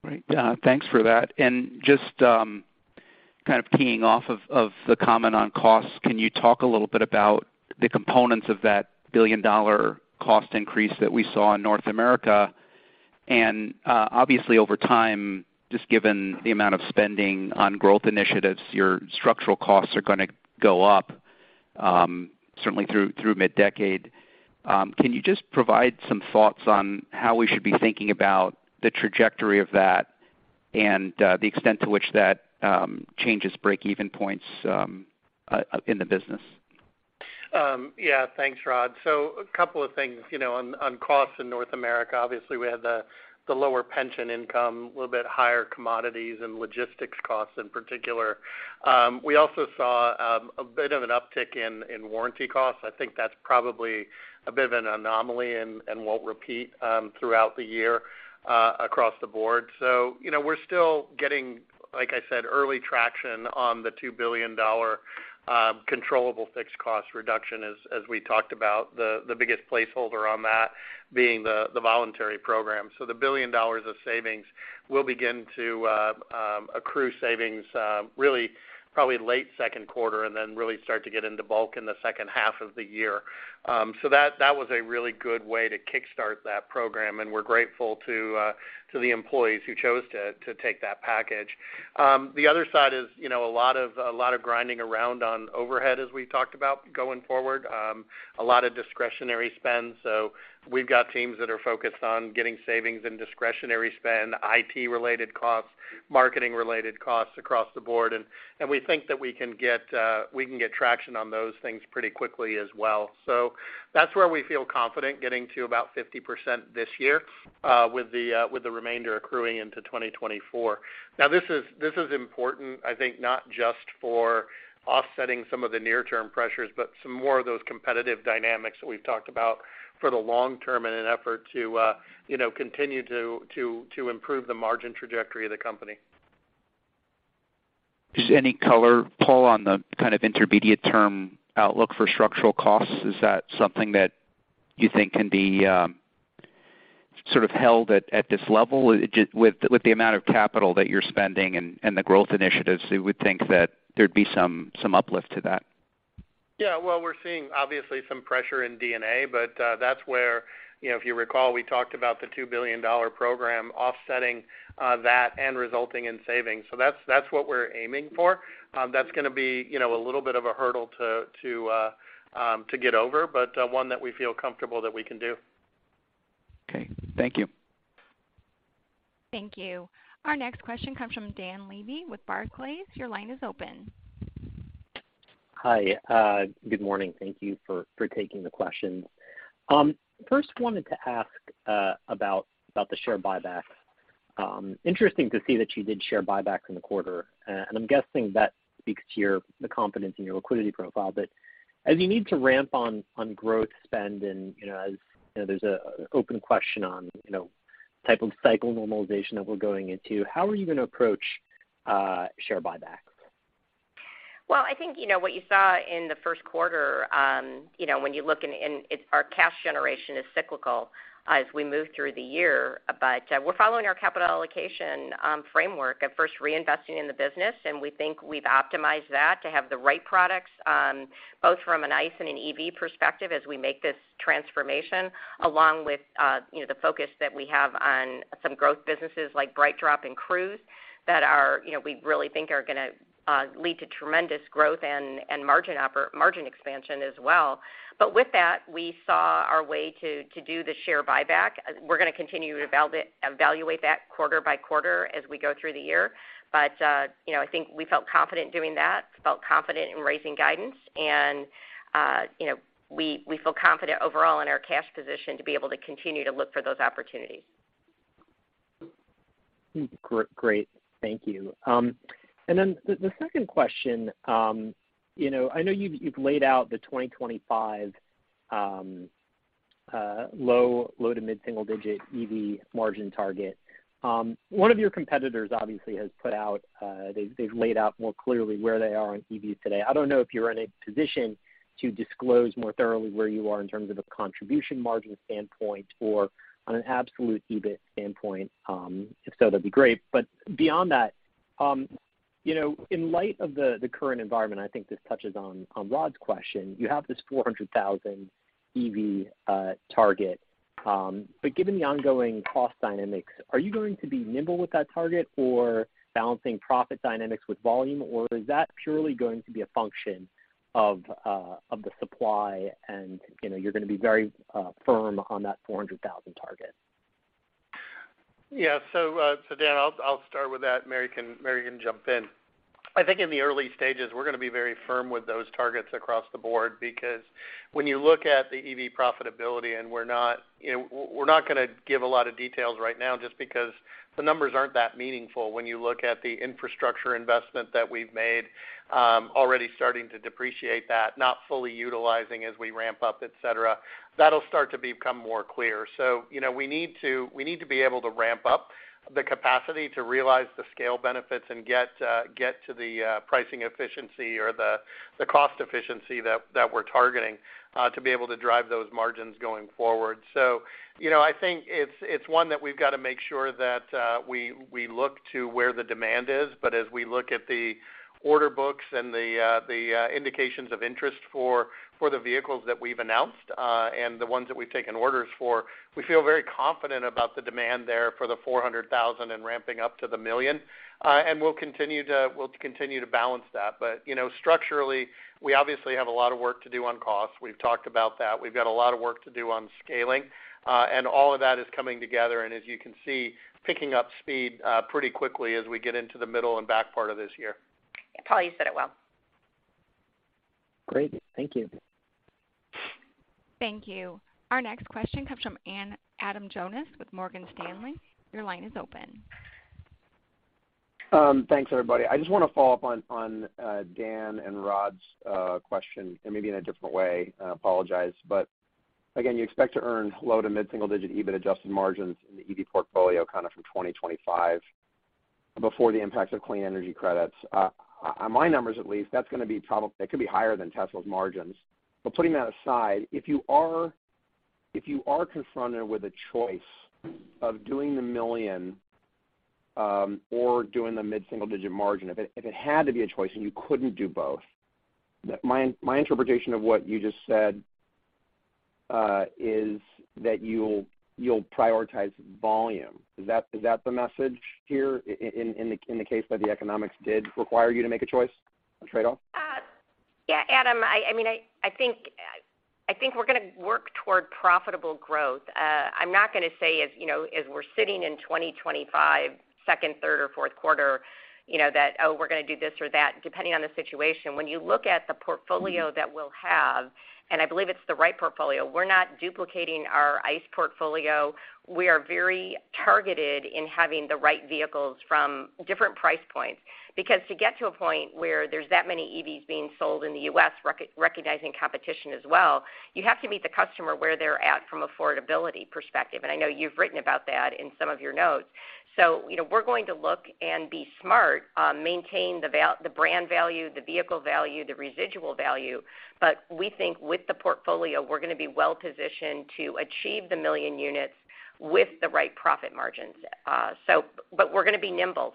Right. Thanks for that. Just, kind of keying off of the comment on costs, can you talk a little bit about the components of that $1 billion cost increase that we saw in North America? Obviously, over time, just given the amount of spending on growth initiatives, your structural costs are gonna go up, certainly through mid-decade. Can you just provide some thoughts on how we should be thinking about the trajectory of that and the extent to which that changes break-even points in the business? Yeah. Thanks, Rod. A couple of things, you know, on costs in North America. Obviously, we had the lower pension income, a little bit higher commodities and logistics costs in particular. We also saw a bit of an uptick in warranty costs. I think that's probably a bit of an anomaly and won't repeat throughout the year across the board. You know, we're still getting, like I said, early traction on the $2 billion controllable fixed cost reduction as we talked about the biggest placeholder on that being the voluntary program. The $1 billion of savings will begin to accrue savings really probably late second quarter and then really start to get into bulk in the second half of the year. That was a really good way to kickstart that program, and we're grateful to the employees who chose to take that package. The other side is, you know, a lot of grinding around on overhead as we talked about going forward. A lot of discretionary spend. We've got teams that are focused on getting savings in discretionary spend, IT related costs, marketing related costs across the board. We think that we can get traction on those things pretty quickly as well. That's where we feel confident getting to about 50% this year, with the remainder accruing into 2024. This is important, I think, not just for offsetting some of the near term pressures, but some more of those competitive dynamics that we've talked about for the long term in an effort to, you know, continue to improve the margin trajectory of the company. Just any color, Paul, on the kind of intermediate term outlook for structural costs, is that something that you think can be, sort of held at this level with the amount of capital that you're spending and the growth initiatives, you would think that there'd be some uplift to that? Yeah. Well, we're seeing obviously some pressure in DNA, but that's where, you know, if you recall, we talked about the $2 billion program offsetting that and resulting in savings. That's, that's what we're aiming for. That's gonna be, you know, a little bit of a hurdle to get over, but one that we feel comfortable that we can do. Okay. Thank you. Thank you. Our next question comes from Dan Levy with Barclays. Your line is open. Hi. Good morning. Thank you for taking the questions. First wanted to ask about the share buyback. Interesting to see that you did share buyback in the quarter. I'm guessing that speaks to the confidence in your liquidity profile. As you need to ramp on growth spend and, you know, as, you know, there's an open question on, you know, type of cycle normalization that we're going into, how are you gonna approach share buyback? Well, I think, you know, what you saw in the first quarter, you know, Our cash generation is cyclical as we move through the year. We're following our capital allocation framework of first reinvesting in the business, and we think we've optimized that to have the right products both from an ICE and an EV perspective as we make this transformation, along with, you know, the focus that we have on some growth businesses like BrightDrop and Cruise that are, you know, we really think are gonna lead to tremendous growth and margin expansion as well. With that, we saw our way to do the share buyback. We're gonna continue to evaluate that quarter by quarter as we go through the year. You know, I think we felt confident doing that, felt confident in raising guidance, and, you know, we feel confident overall in our cash position to be able to continue to look for those opportunities. Great. Thank you. The second question, you know, I know you've laid out the 2025 low to mid-single digit EV margin target. One of your competitors obviously has put out, they've laid out more clearly where they are on EV today. I don't know if you're in a position to disclose more thoroughly where you are in terms of a contribution margin standpoint or on an absolute EBIT standpoint. If so, that'd be great. Beyond that, you know, in light of the current environment, I think this touches on Rod's question, you have this 400,000 EV target. Given the ongoing cost dynamics, are you going to be nimble with that target or balancing profit dynamics with volume, or is that purely going to be a function of the supply and, you know, you're gonna be very firm on that 400,000 target? Dan, I'll start with that. Mary can jump in. I think in the early stages, we're gonna be very firm with those targets across the board because when you look at the EV profitability and we're not, you know, we're not gonna give a lot of details right now just because the numbers aren't that meaningful when you look at the infrastructure investment that we've made, already starting to depreciate that, not fully utilizing as we ramp up, et cetera. That'll start to become more clear. You know, we need to, we need to be able to ramp up the capacity to realize the scale benefits and get to the pricing efficiency or the cost efficiency that we're targeting to be able to drive those margins going forward. You know, I think it's one that we've got to make sure that we look to where the demand is. As we look at the order books and the indications of interest for the vehicles that we've announced, and the ones that we've taken orders for, we feel very confident about the demand there for the 400,000 and ramping up to the 1 million. And we'll continue to balance that. You know, structurally, we obviously have a lot of work to do on cost. We've talked about that. We've got a lot of work to do on scaling, and all of that is coming together, and as you can see, picking up speed pretty quickly as we get into the middle and back part of this year. Yeah, Paul, you said it well. Great. Thank you. Thank you. Our next question comes from Adam Jonas with Morgan Stanley. Your line is open. Thanks, everybody. I just wanna follow up on Dan and Rod's question and maybe in a different way. I apologize. Again, you expect to earn low to mid-single digit EBIT adjusted margins in the EV portfolio kind of from 2025 before the impacts of clean energy credits. On my numbers at least, that's gonna be probably. It could be higher than Tesla's margins. Putting that aside, if you are confronted with a choice of doing the $1 million, or doing the mid-single digit margin, if it had to be a choice and you couldn't do both, my interpretation of what you just said is that you'll prioritize volume. Is that the message here in the case that the economics did require you to make a choice, a trade-off? Yeah, Adam, I mean, I think, I think we're gonna work toward profitable growth. I'm not gonna say, as, you know, as we're sitting in 2025, second, third, or fourth quarter, you know, that we're gonna do this or that, depending on the situation. When you look at the portfolio that we'll have, and I believe it's the right portfolio, we're not duplicating our ICE portfolio. We are very targeted in having the right vehicles from different price points. Because to get to a point where there's that many EVs being sold in the U.S. recognizing competition as well, you have to meet the customer where they're at from affordability perspective, and I know you've written about that in some of your notes. We're going to look and be smart, maintain the brand value, the vehicle value, the residual value. We think with the portfolio, we're gonna be well-positioned to achieve the 1 million units with the right profit margins. We're gonna be nimble.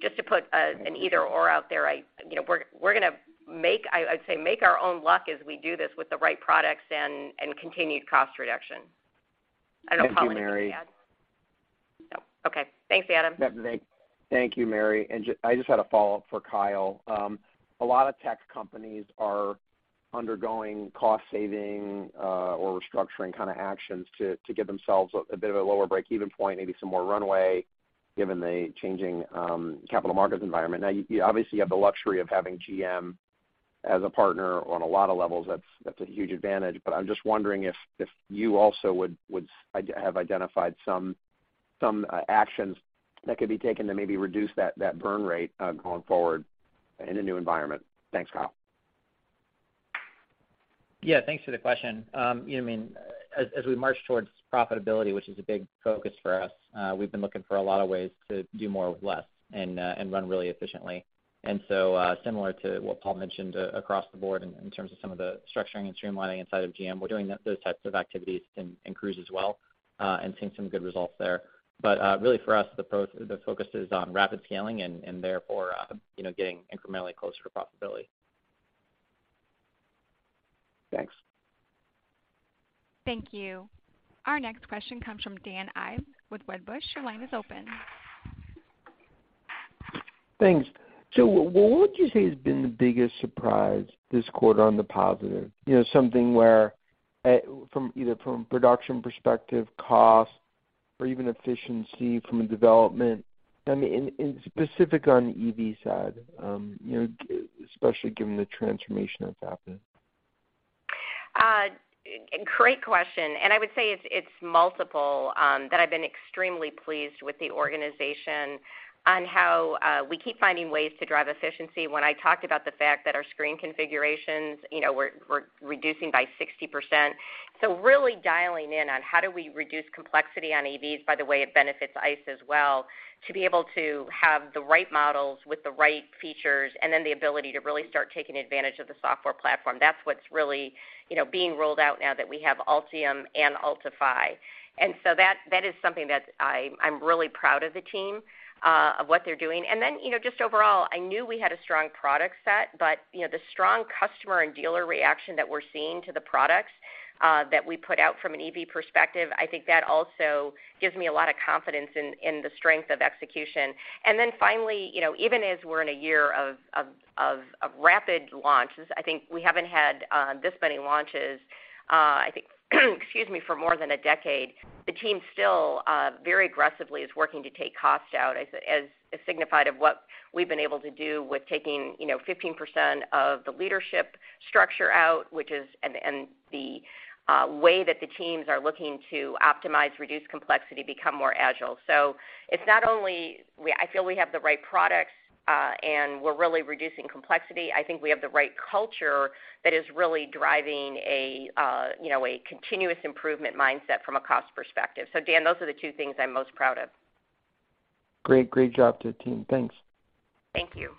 Just to put an either/or out there, you know, we're gonna make, I'd say, make our own luck as we do this with the right products and continued cost reduction. I don't know, Paul, anything to add. Thank you, Mary. No. Okay. Thanks, Adam. Thank you, Mary. I just had a follow-up for Kyle. A lot of tech companies are undergoing cost saving or restructuring kind of actions to give themselves a bit of a lower break-even point, maybe some more runway given the changing capital markets environment. You obviously have the luxury of having GM as a partner on a lot of levels. That's a huge advantage. I'm just wondering if you also would have identified some actions that could be taken to maybe reduce that burn rate going forward in a new environment. Thanks, Kyle. Yeah, thanks for the question. You know, I mean, as we march towards profitability, which is a big focus for us, we've been looking for a lot of ways to do more with less and run really efficiently. Similar to what Paul mentioned across the board in terms of some of the structuring and streamlining inside of GM, we're doing those types of activities in Cruise as well and seeing some good results there. Really for us, the focus is on rapid scaling and therefore, you know, getting incrementally closer to profitability. Thanks. Thank you. Our next question comes from Dan Ives with Wedbush. Your line is open. Thanks. What would you say has been the biggest surprise this quarter on the positive? You know, something where, from either from production perspective, cost, or even efficiency from a development. I mean, in specific on the EV side, you know, especially given the transformation that's happened. Great question. I would say it's multiple that I've been extremely pleased with the organization on how we keep finding ways to drive efficiency. When I talked about the fact that our screen configurations, you know, we're reducing by 60%. Really dialing in on how do we reduce complexity on EVs, by the way it benefits ICE as well, to be able to have the right models with the right features, and then the ability to really start taking advantage of the software platform. That's what's really, you know, being rolled out now that we have Ultium and Ultifi. That is something that I'm really proud of the team of what they're doing. You know, just overall, I knew we had a strong product set, but, you know, the strong customer and dealer reaction that we're seeing to the products, that we put out from an EV perspective, I think that also gives me a lot of confidence in the strength of execution. Finally, you know, even as we're in a year of rapid launches, I think we haven't had this many launches, I think, excuse me, for more than a decade. The team still very aggressively is working to take costs out, as signified of what we've been able to do with taking, you know, 15% of the leadership structure out, which is. The way that the teams are looking to optimize, reduce complexity, become more agile. It's not only I feel we have the right products, and we're really reducing complexity. I think we have the right culture that is really driving a, you know, a continuous improvement mindset from a cost perspective. Dan, those are the two things I'm most proud of. Great. Great job to the team. Thanks. Thank you.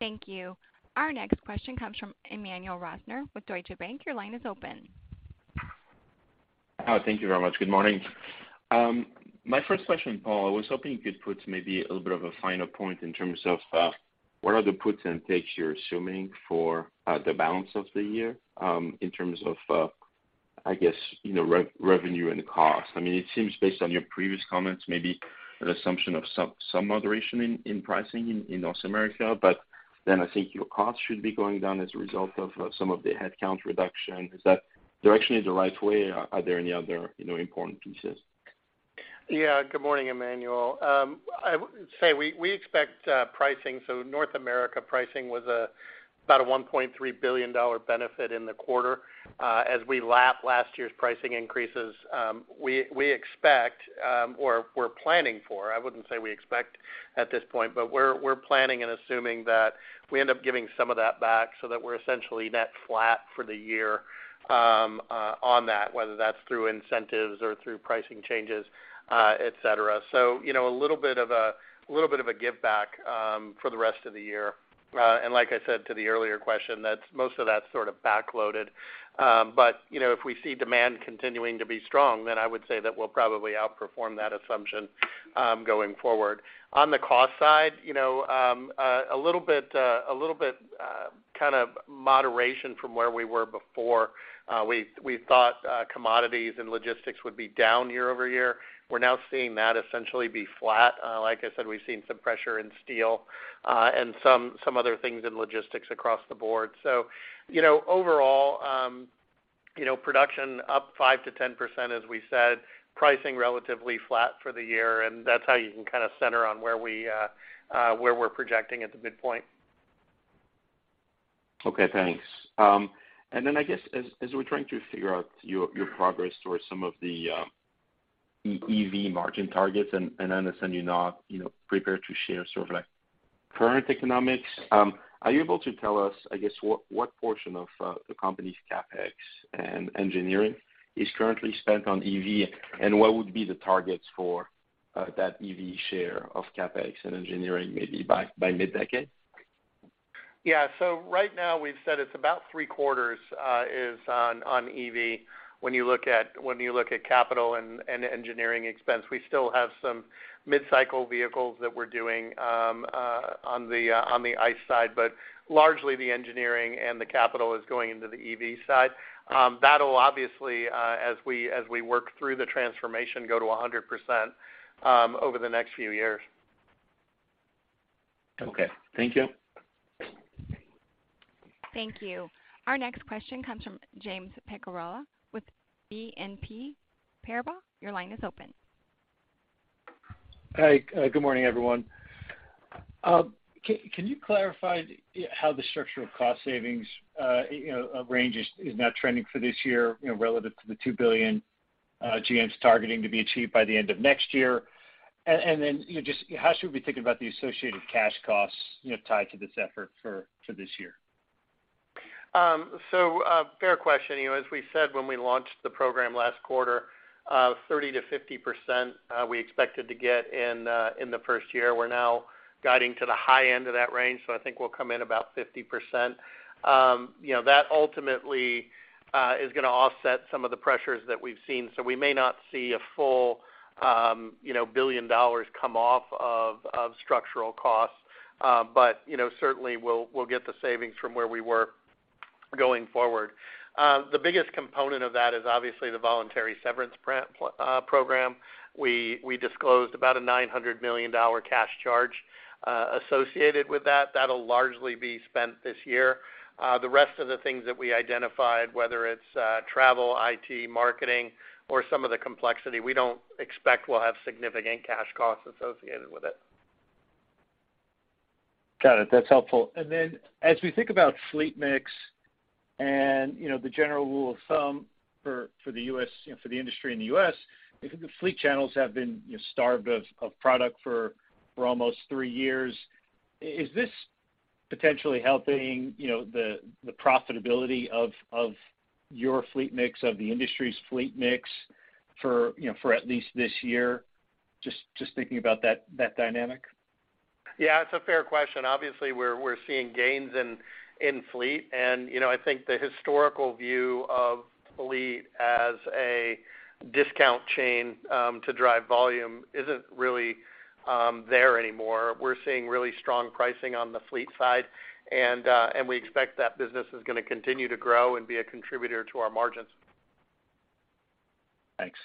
Thank you. Our next question comes from Emmanuel Rosner with Deutsche Bank. Your line is open. Thank you very much. Good morning. My first question, Paul, I was hoping you could put maybe a little bit of a final point in terms of what are the puts and takes you're assuming for the balance of the year, in terms of I guess, you know, re-revenue and cost. I mean, it seems based on your previous comments, maybe an assumption of some moderation in pricing in North America. But then I think your costs should be going down as a result of some of the headcount reduction. Is that directionally the right way, or are there any other, you know, important pieces? Good morning, Emmanuel. I would say we expect pricing. North America pricing was about a $1.3 billion benefit in the quarter. As we lap last year's pricing increases, we expect, or we're planning for, I wouldn't say we expect at this point, but we're planning and assuming that we end up giving some of that back so that we're essentially net flat for the year on that, whether that's through incentives or through pricing changes, et cetera. You know, a little bit of a give back for the rest of the year. And like I said to the earlier question, that's most of that's sort of back-loaded. You know, if we see demand continuing to be strong, then I would say that we'll probably outperform that assumption, going forward. On the cost side, you know, a little bit kind of moderation from where we were before. We thought commodities and logistics would be down year-over-year. We're now seeing that essentially be flat. Like I said, we've seen some pressure in steel and some other things in logistics across the board. You know, overall, you know, production up 5%-10% as we said, pricing relatively flat for the year, and that's how you can kind of center on where we're projecting at the midpoint. Okay, thanks. I guess as we're trying to figure out your progress towards some of the EV margin targets, I understand you're not, you know, prepared to share sort of like current economics. Are you able to tell us, I guess, what portion of the company's CapEx and engineering is currently spent on EV? What would be the targets for that EV share of CapEx and engineering maybe by mid-decade? Right now we've said it's about three quarters is on EV when you look at capital and engineering expense. We still have some mid-cycle vehicles that we're doing on the ICE side, but largely the engineering and the capital is going into the EV side. That'll obviously, as we work through the transformation, go to 100% over the next few years. Okay. Thank you. Thank you. Our next question comes from James Picariello with BNP Paribas. Your line is open. Hi. Good morning, everyone. Can you clarify how the structural cost savings, you know, range is now trending for this year, you know, relative to the $2 billion GM's targeting to be achieved by the end of next year? Just how should we be thinking about the associated cash costs, you know, tied to this effort for this year? Fair question. You know, as we said when we launched the program last quarter, 30%-50% we expected to get in the first year. We're now guiding to the high end of that range, I think we'll come in about 50%. You know, that ultimately is gonna offset some of the pressures that we've seen. We may not see a full, you know, $1 billion come off of structural costs. You know, certainly, we'll get the savings from where we were going forward. The biggest component of that is obviously the voluntary severance program. We disclosed about a $900 million cash charge associated with that. That'll largely be spent this year. The rest of the things that we identified, whether it's travel, IT, marketing, or some of the complexity, we don't expect we'll have significant cash costs associated with it. Got it. That's helpful. As we think about fleet mix and, you know, the general rule of thumb for the U.S., you know, for the industry in the U.S., the fleet channels have been, you know, starved of product for almost three years. Is this potentially helping, you know, the profitability of your fleet mix, of the industry's fleet mix for, you know, at least this year? Just thinking about that dynamic. Yeah, it's a fair question. Obviously, we're seeing gains in fleet. You know, I think the historical view of fleet as a discount chain to drive volume isn't really there anymore. We're seeing really strong pricing on the fleet side, and we expect that business is gonna continue to grow and be a contributor to our margins. Thanks.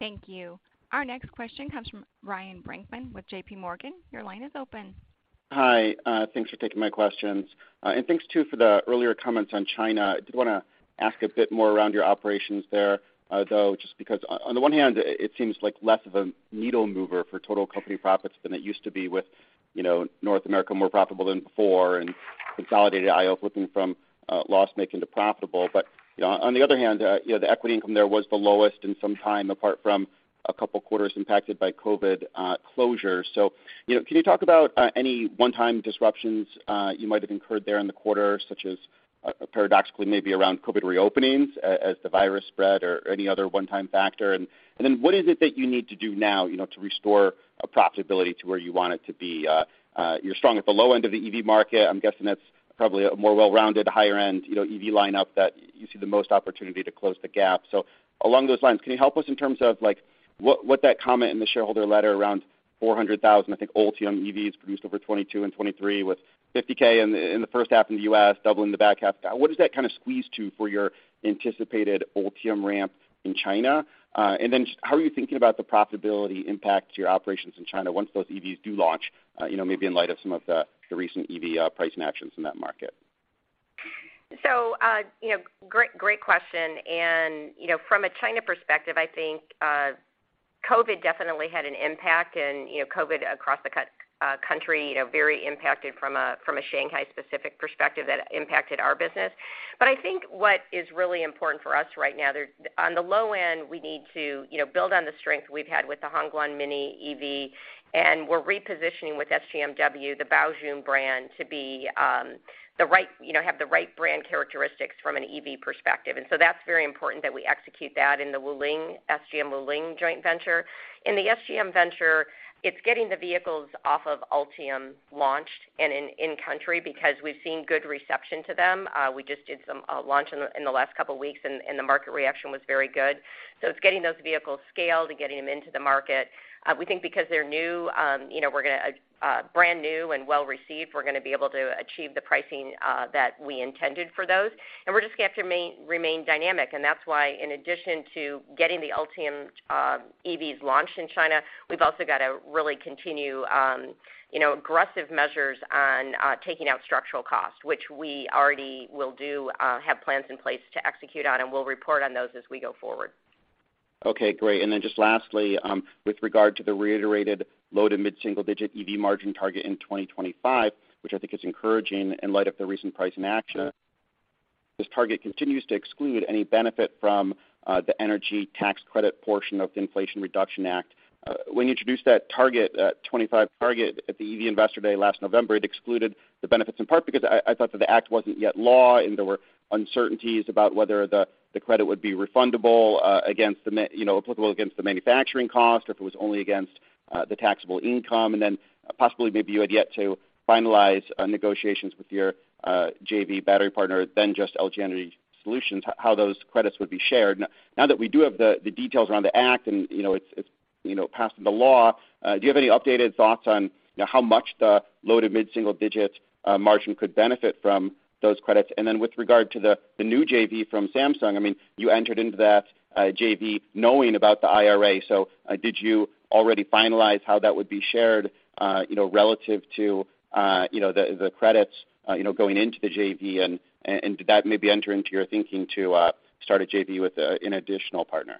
Thank you. Our next question comes from Ryan Brinkman with JPMorgan. Your line is open. Hi. Thanks for taking my questions. Thanks too for the earlier comments on China. I did want to ask a bit more around your operations there, though, just because on the one hand, it seems like less of a needle mover for total company profits than it used to be with, you know, North America more profitable than before and consolidated IO looking from loss-making to profitable. You know, on the other hand, you know, the equity income there was the lowest in some time, apart from a couple of quarters impacted by COVID closure. You know, can you talk about any one-time disruptions you might have incurred there in the quarter, such as paradoxically maybe around COVID reopenings as the virus spread or any other one-time factor? Then what is it that you need to do now, you know, to restore a profitability to where you want it to be? You're strong at the low end of the EV market. I'm guessing that's probably a more well-rounded higher end, you know, EV lineup that you see the most opportunity to close the gap. Along those lines, can you help us in terms of like, what that comment in the shareholder letter around 400,000, I think, Ultium EVs produced over 2022 and 2023 with 50K in the first half in the U.S., doubling the back half. What does that kind of squeeze to for your anticipated Ultium ramp in China? Then how are you thinking about the profitability impact to your operations in China once those EVs do launch, you know, maybe in light of some of the recent EV pricing actions in that market? Great, great question. From a China perspective, I think COVID definitely had an impact and, you know, COVID across the country, you know, very impacted from a, from a Shanghai specific perspective that impacted our business. I think what is really important for us right now, on the low end, we need to, you know, build on the strength we've had with the Hongguang Mini EV, and we're repositioning with SGMW, the Baojun brand, to be, have the right brand characteristics from an EV perspective. That's very important that we execute that in the Wuling, SGM Wuling joint venture. In the SGM venture, it's getting the vehicles off of Ultium launched and in country because we've seen good reception to them. We just did some launch in the last couple weeks, and the market reaction was very good. It's getting those vehicles scaled and getting them into the market. We think because they're new, you know, we're gonna brand new and well-received, we're gonna be able to achieve the pricing that we intended for those. We're just gonna have to remain dynamic. That's why in addition to getting the Ultium EVs launched in China, we've also got to really continue, you know, aggressive measures on taking out structural costs, which we already will do, have plans in place to execute on, and we'll report on those as we go forward. Okay, great. Just lastly, with regard to the reiterated low- to mid-single digit EV margin target in 2025, which I think is encouraging in light of the recent price in action, this target continues to exclude any benefit from the energy tax credit portion of the Inflation Reduction Act. When you introduced that target, 25 target at the EV Investor Day last November, it excluded the benefits in part because I thought that the act wasn't yet law, and there were uncertainties about whether the credit would be refundable, you know, applicable against the manufacturing cost or if it was only against the taxable income. Possibly maybe you had yet to finalize negotiations with your JV battery partner than just LG Energy Solution, how those credits would be shared. Now that we do have the details around the Act and, you know, it's, you know, passed into law, do you have any updated thoughts on, you know, how much the low- to mid-single digits margin could benefit from those credits? With regard to the new JV from Samsung, I mean, you entered into that JV knowing about the IRA. Did you already finalize how that would be shared, you know, relative to, you know, the credits, you know, going into the JV and did that maybe enter into your thinking to start a JV with an additional partner?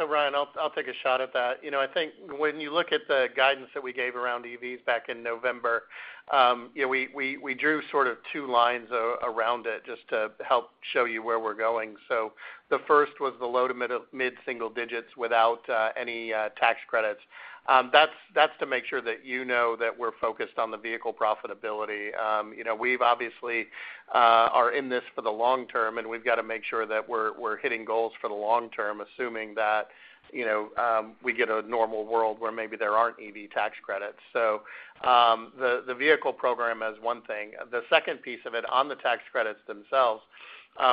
Ryan, I'll take a shot at that. You know, I think when you look at the guidance that we gave around EVs back in November, you know, we drew sort of two lines around it just to help show you where we're going. The first was the low to mid single digits without any tax credits. That's to make sure that you know that we're focused on the vehicle profitability. You know, we've obviously are in this for the long term, and we've got to make sure that we're hitting goals for the long term, assuming that, you know, we get a normal world where maybe there aren't EV tax credits. The vehicle program is one thing. The second piece of it on the tax credits themselves,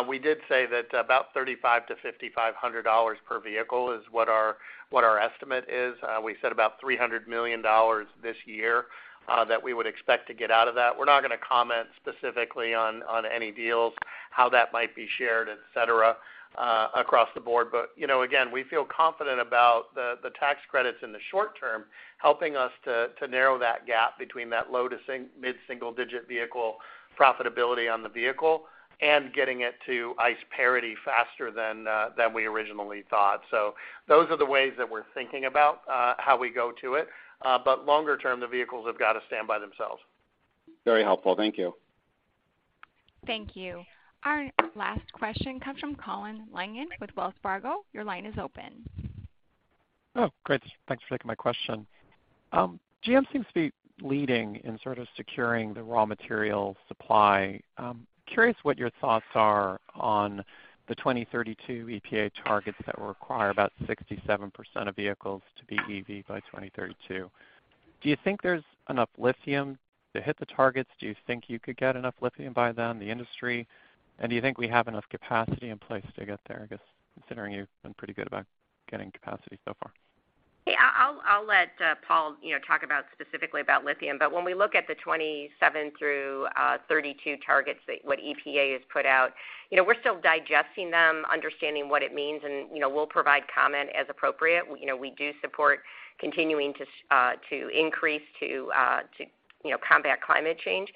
we did say that about $3,500-$5,500 per vehicle is what our estimate is. We said about $300 million this year that we would expect to get out of that. We're not gonna comment specifically on any deals, how that might be shared, et cetera, across the board. You know, again, we feel confident about the tax credits in the short term, helping us to narrow that gap between that low to mid-single digit vehicle profitability on the vehicle and getting it to ICE parity faster than we originally thought. Those are the ways that we're thinking about how we go to it. Longer term, the vehicles have got to stand by themselves. Very helpful. Thank you. Thank you. Our last question comes from Colin Langan with Wells Fargo. Your line is open. Oh, great. Thanks for taking my question. GM seems to be leading in sort of securing the raw material supply. Curious what your thoughts are on the 2032 EPA targets that will require about 67% of vehicles to be EV by 2032. Do you think there's enough lithium to hit the targets? Do you think you could get enough lithium by then, the industry? Do you think we have enough capacity in place to get there? I guess considering you've been pretty good about getting capacity so far. Yeah. I'll let Paul, you know, talk about specifically about lithium. When we look at the 27 through 32 targets that what EPA has put out, you know, we're still digesting them, understanding what it means, and, you know, we'll provide comment as appropriate. You know, we do support continuing to increase to, you know, combat climate change.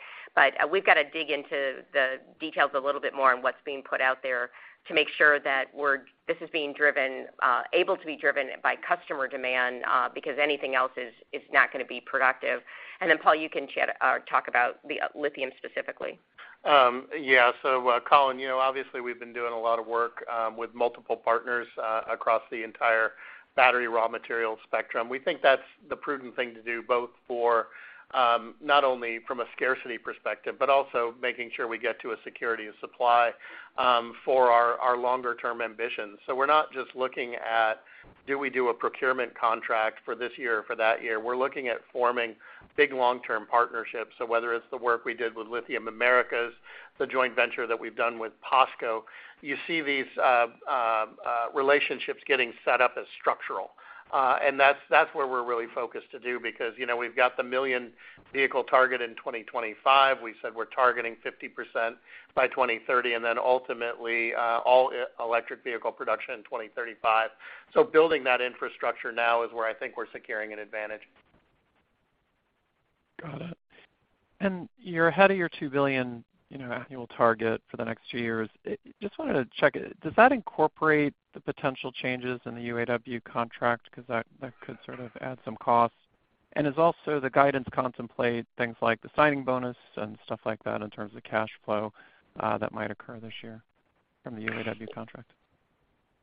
We've got to dig into the details a little bit more on what's being put out there to make sure that we're this is being driven, able to be driven by customer demand, because anything else is not gonna be productive. Then, Paul, you can chat or talk about the lithium specifically. Yeah. Colin, you know, obviously we've been doing a lot of work with multiple partners across the entire battery raw material spectrum. We think that's the prudent thing to do, both for not only from a scarcity perspective, but also making sure we get to a security of supply for our longer term ambitions. We're not just looking at do we do a procurement contract for this year or for that year. We're looking at forming big long-term partnerships. Whether it's the work we did with Lithium Americas, the joint venture that we've done with POSCO, you see these relationships getting set up as structural. That's where we're really focused to do because, you know, we've got the million vehicle target in 2025. We said we're targeting 50% by 2030, and then ultimately, all-electric vehicle production in 2035. Building that infrastructure now is where I think we're securing an advantage. Got it. You're ahead of your $2 billion, you know, annual target for the next two years. Just wanted to check it. Does that incorporate the potential changes in the UAW contract? 'Cause that could sort of add some costs. Does also the guidance contemplate things like the signing bonus and stuff like that in terms of cash flow that might occur this year from the UAW contract?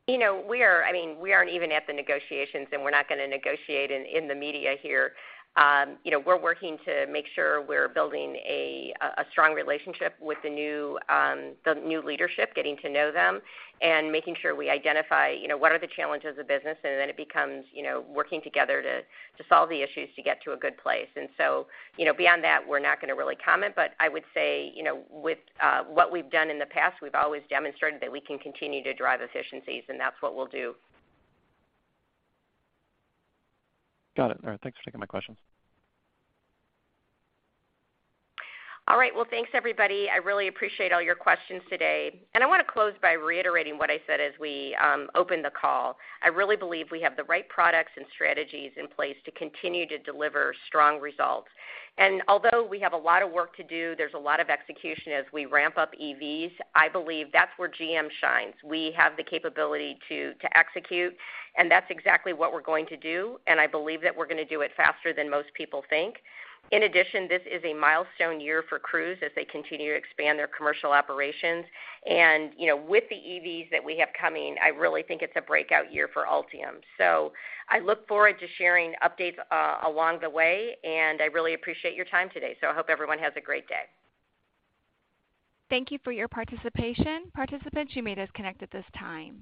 You know, I mean, we aren't even at the negotiations, and we're not gonna negotiate in the media here. You know, we're working to make sure we're building a strong relationship with the new leadership, getting to know them and making sure we identify, you know, what are the challenges of business, and then it becomes, you know, working together to solve the issues to get to a good place. You know, beyond that, we're not gonna really comment, but I would say, you know, with what we've done in the past, we've always demonstrated that we can continue to drive efficiencies, and that's what we'll do. Got it. All right. Thanks for taking my questions. All right. Well, thanks, everybody. I really appreciate all your questions today. I wanna close by reiterating what I said as we opened the call. I really believe we have the right products and strategies in place to continue to deliver strong results. Although we have a lot of work to do, there's a lot of execution as we ramp up EVs, I believe that's where GM shines. We have the capability to execute, and that's exactly what we're going to do, and I believe that we're gonna do it faster than most people think. In addition, this is a milestone year for Cruise as they continue to expand their commercial operations. You know, with the EVs that we have coming, I really think it's a breakout year for Ultium. I look forward to sharing updates along the way, and I really appreciate your time today. I hope everyone has a great day. Thank you for your participation. Participants, you may disconnect at this time.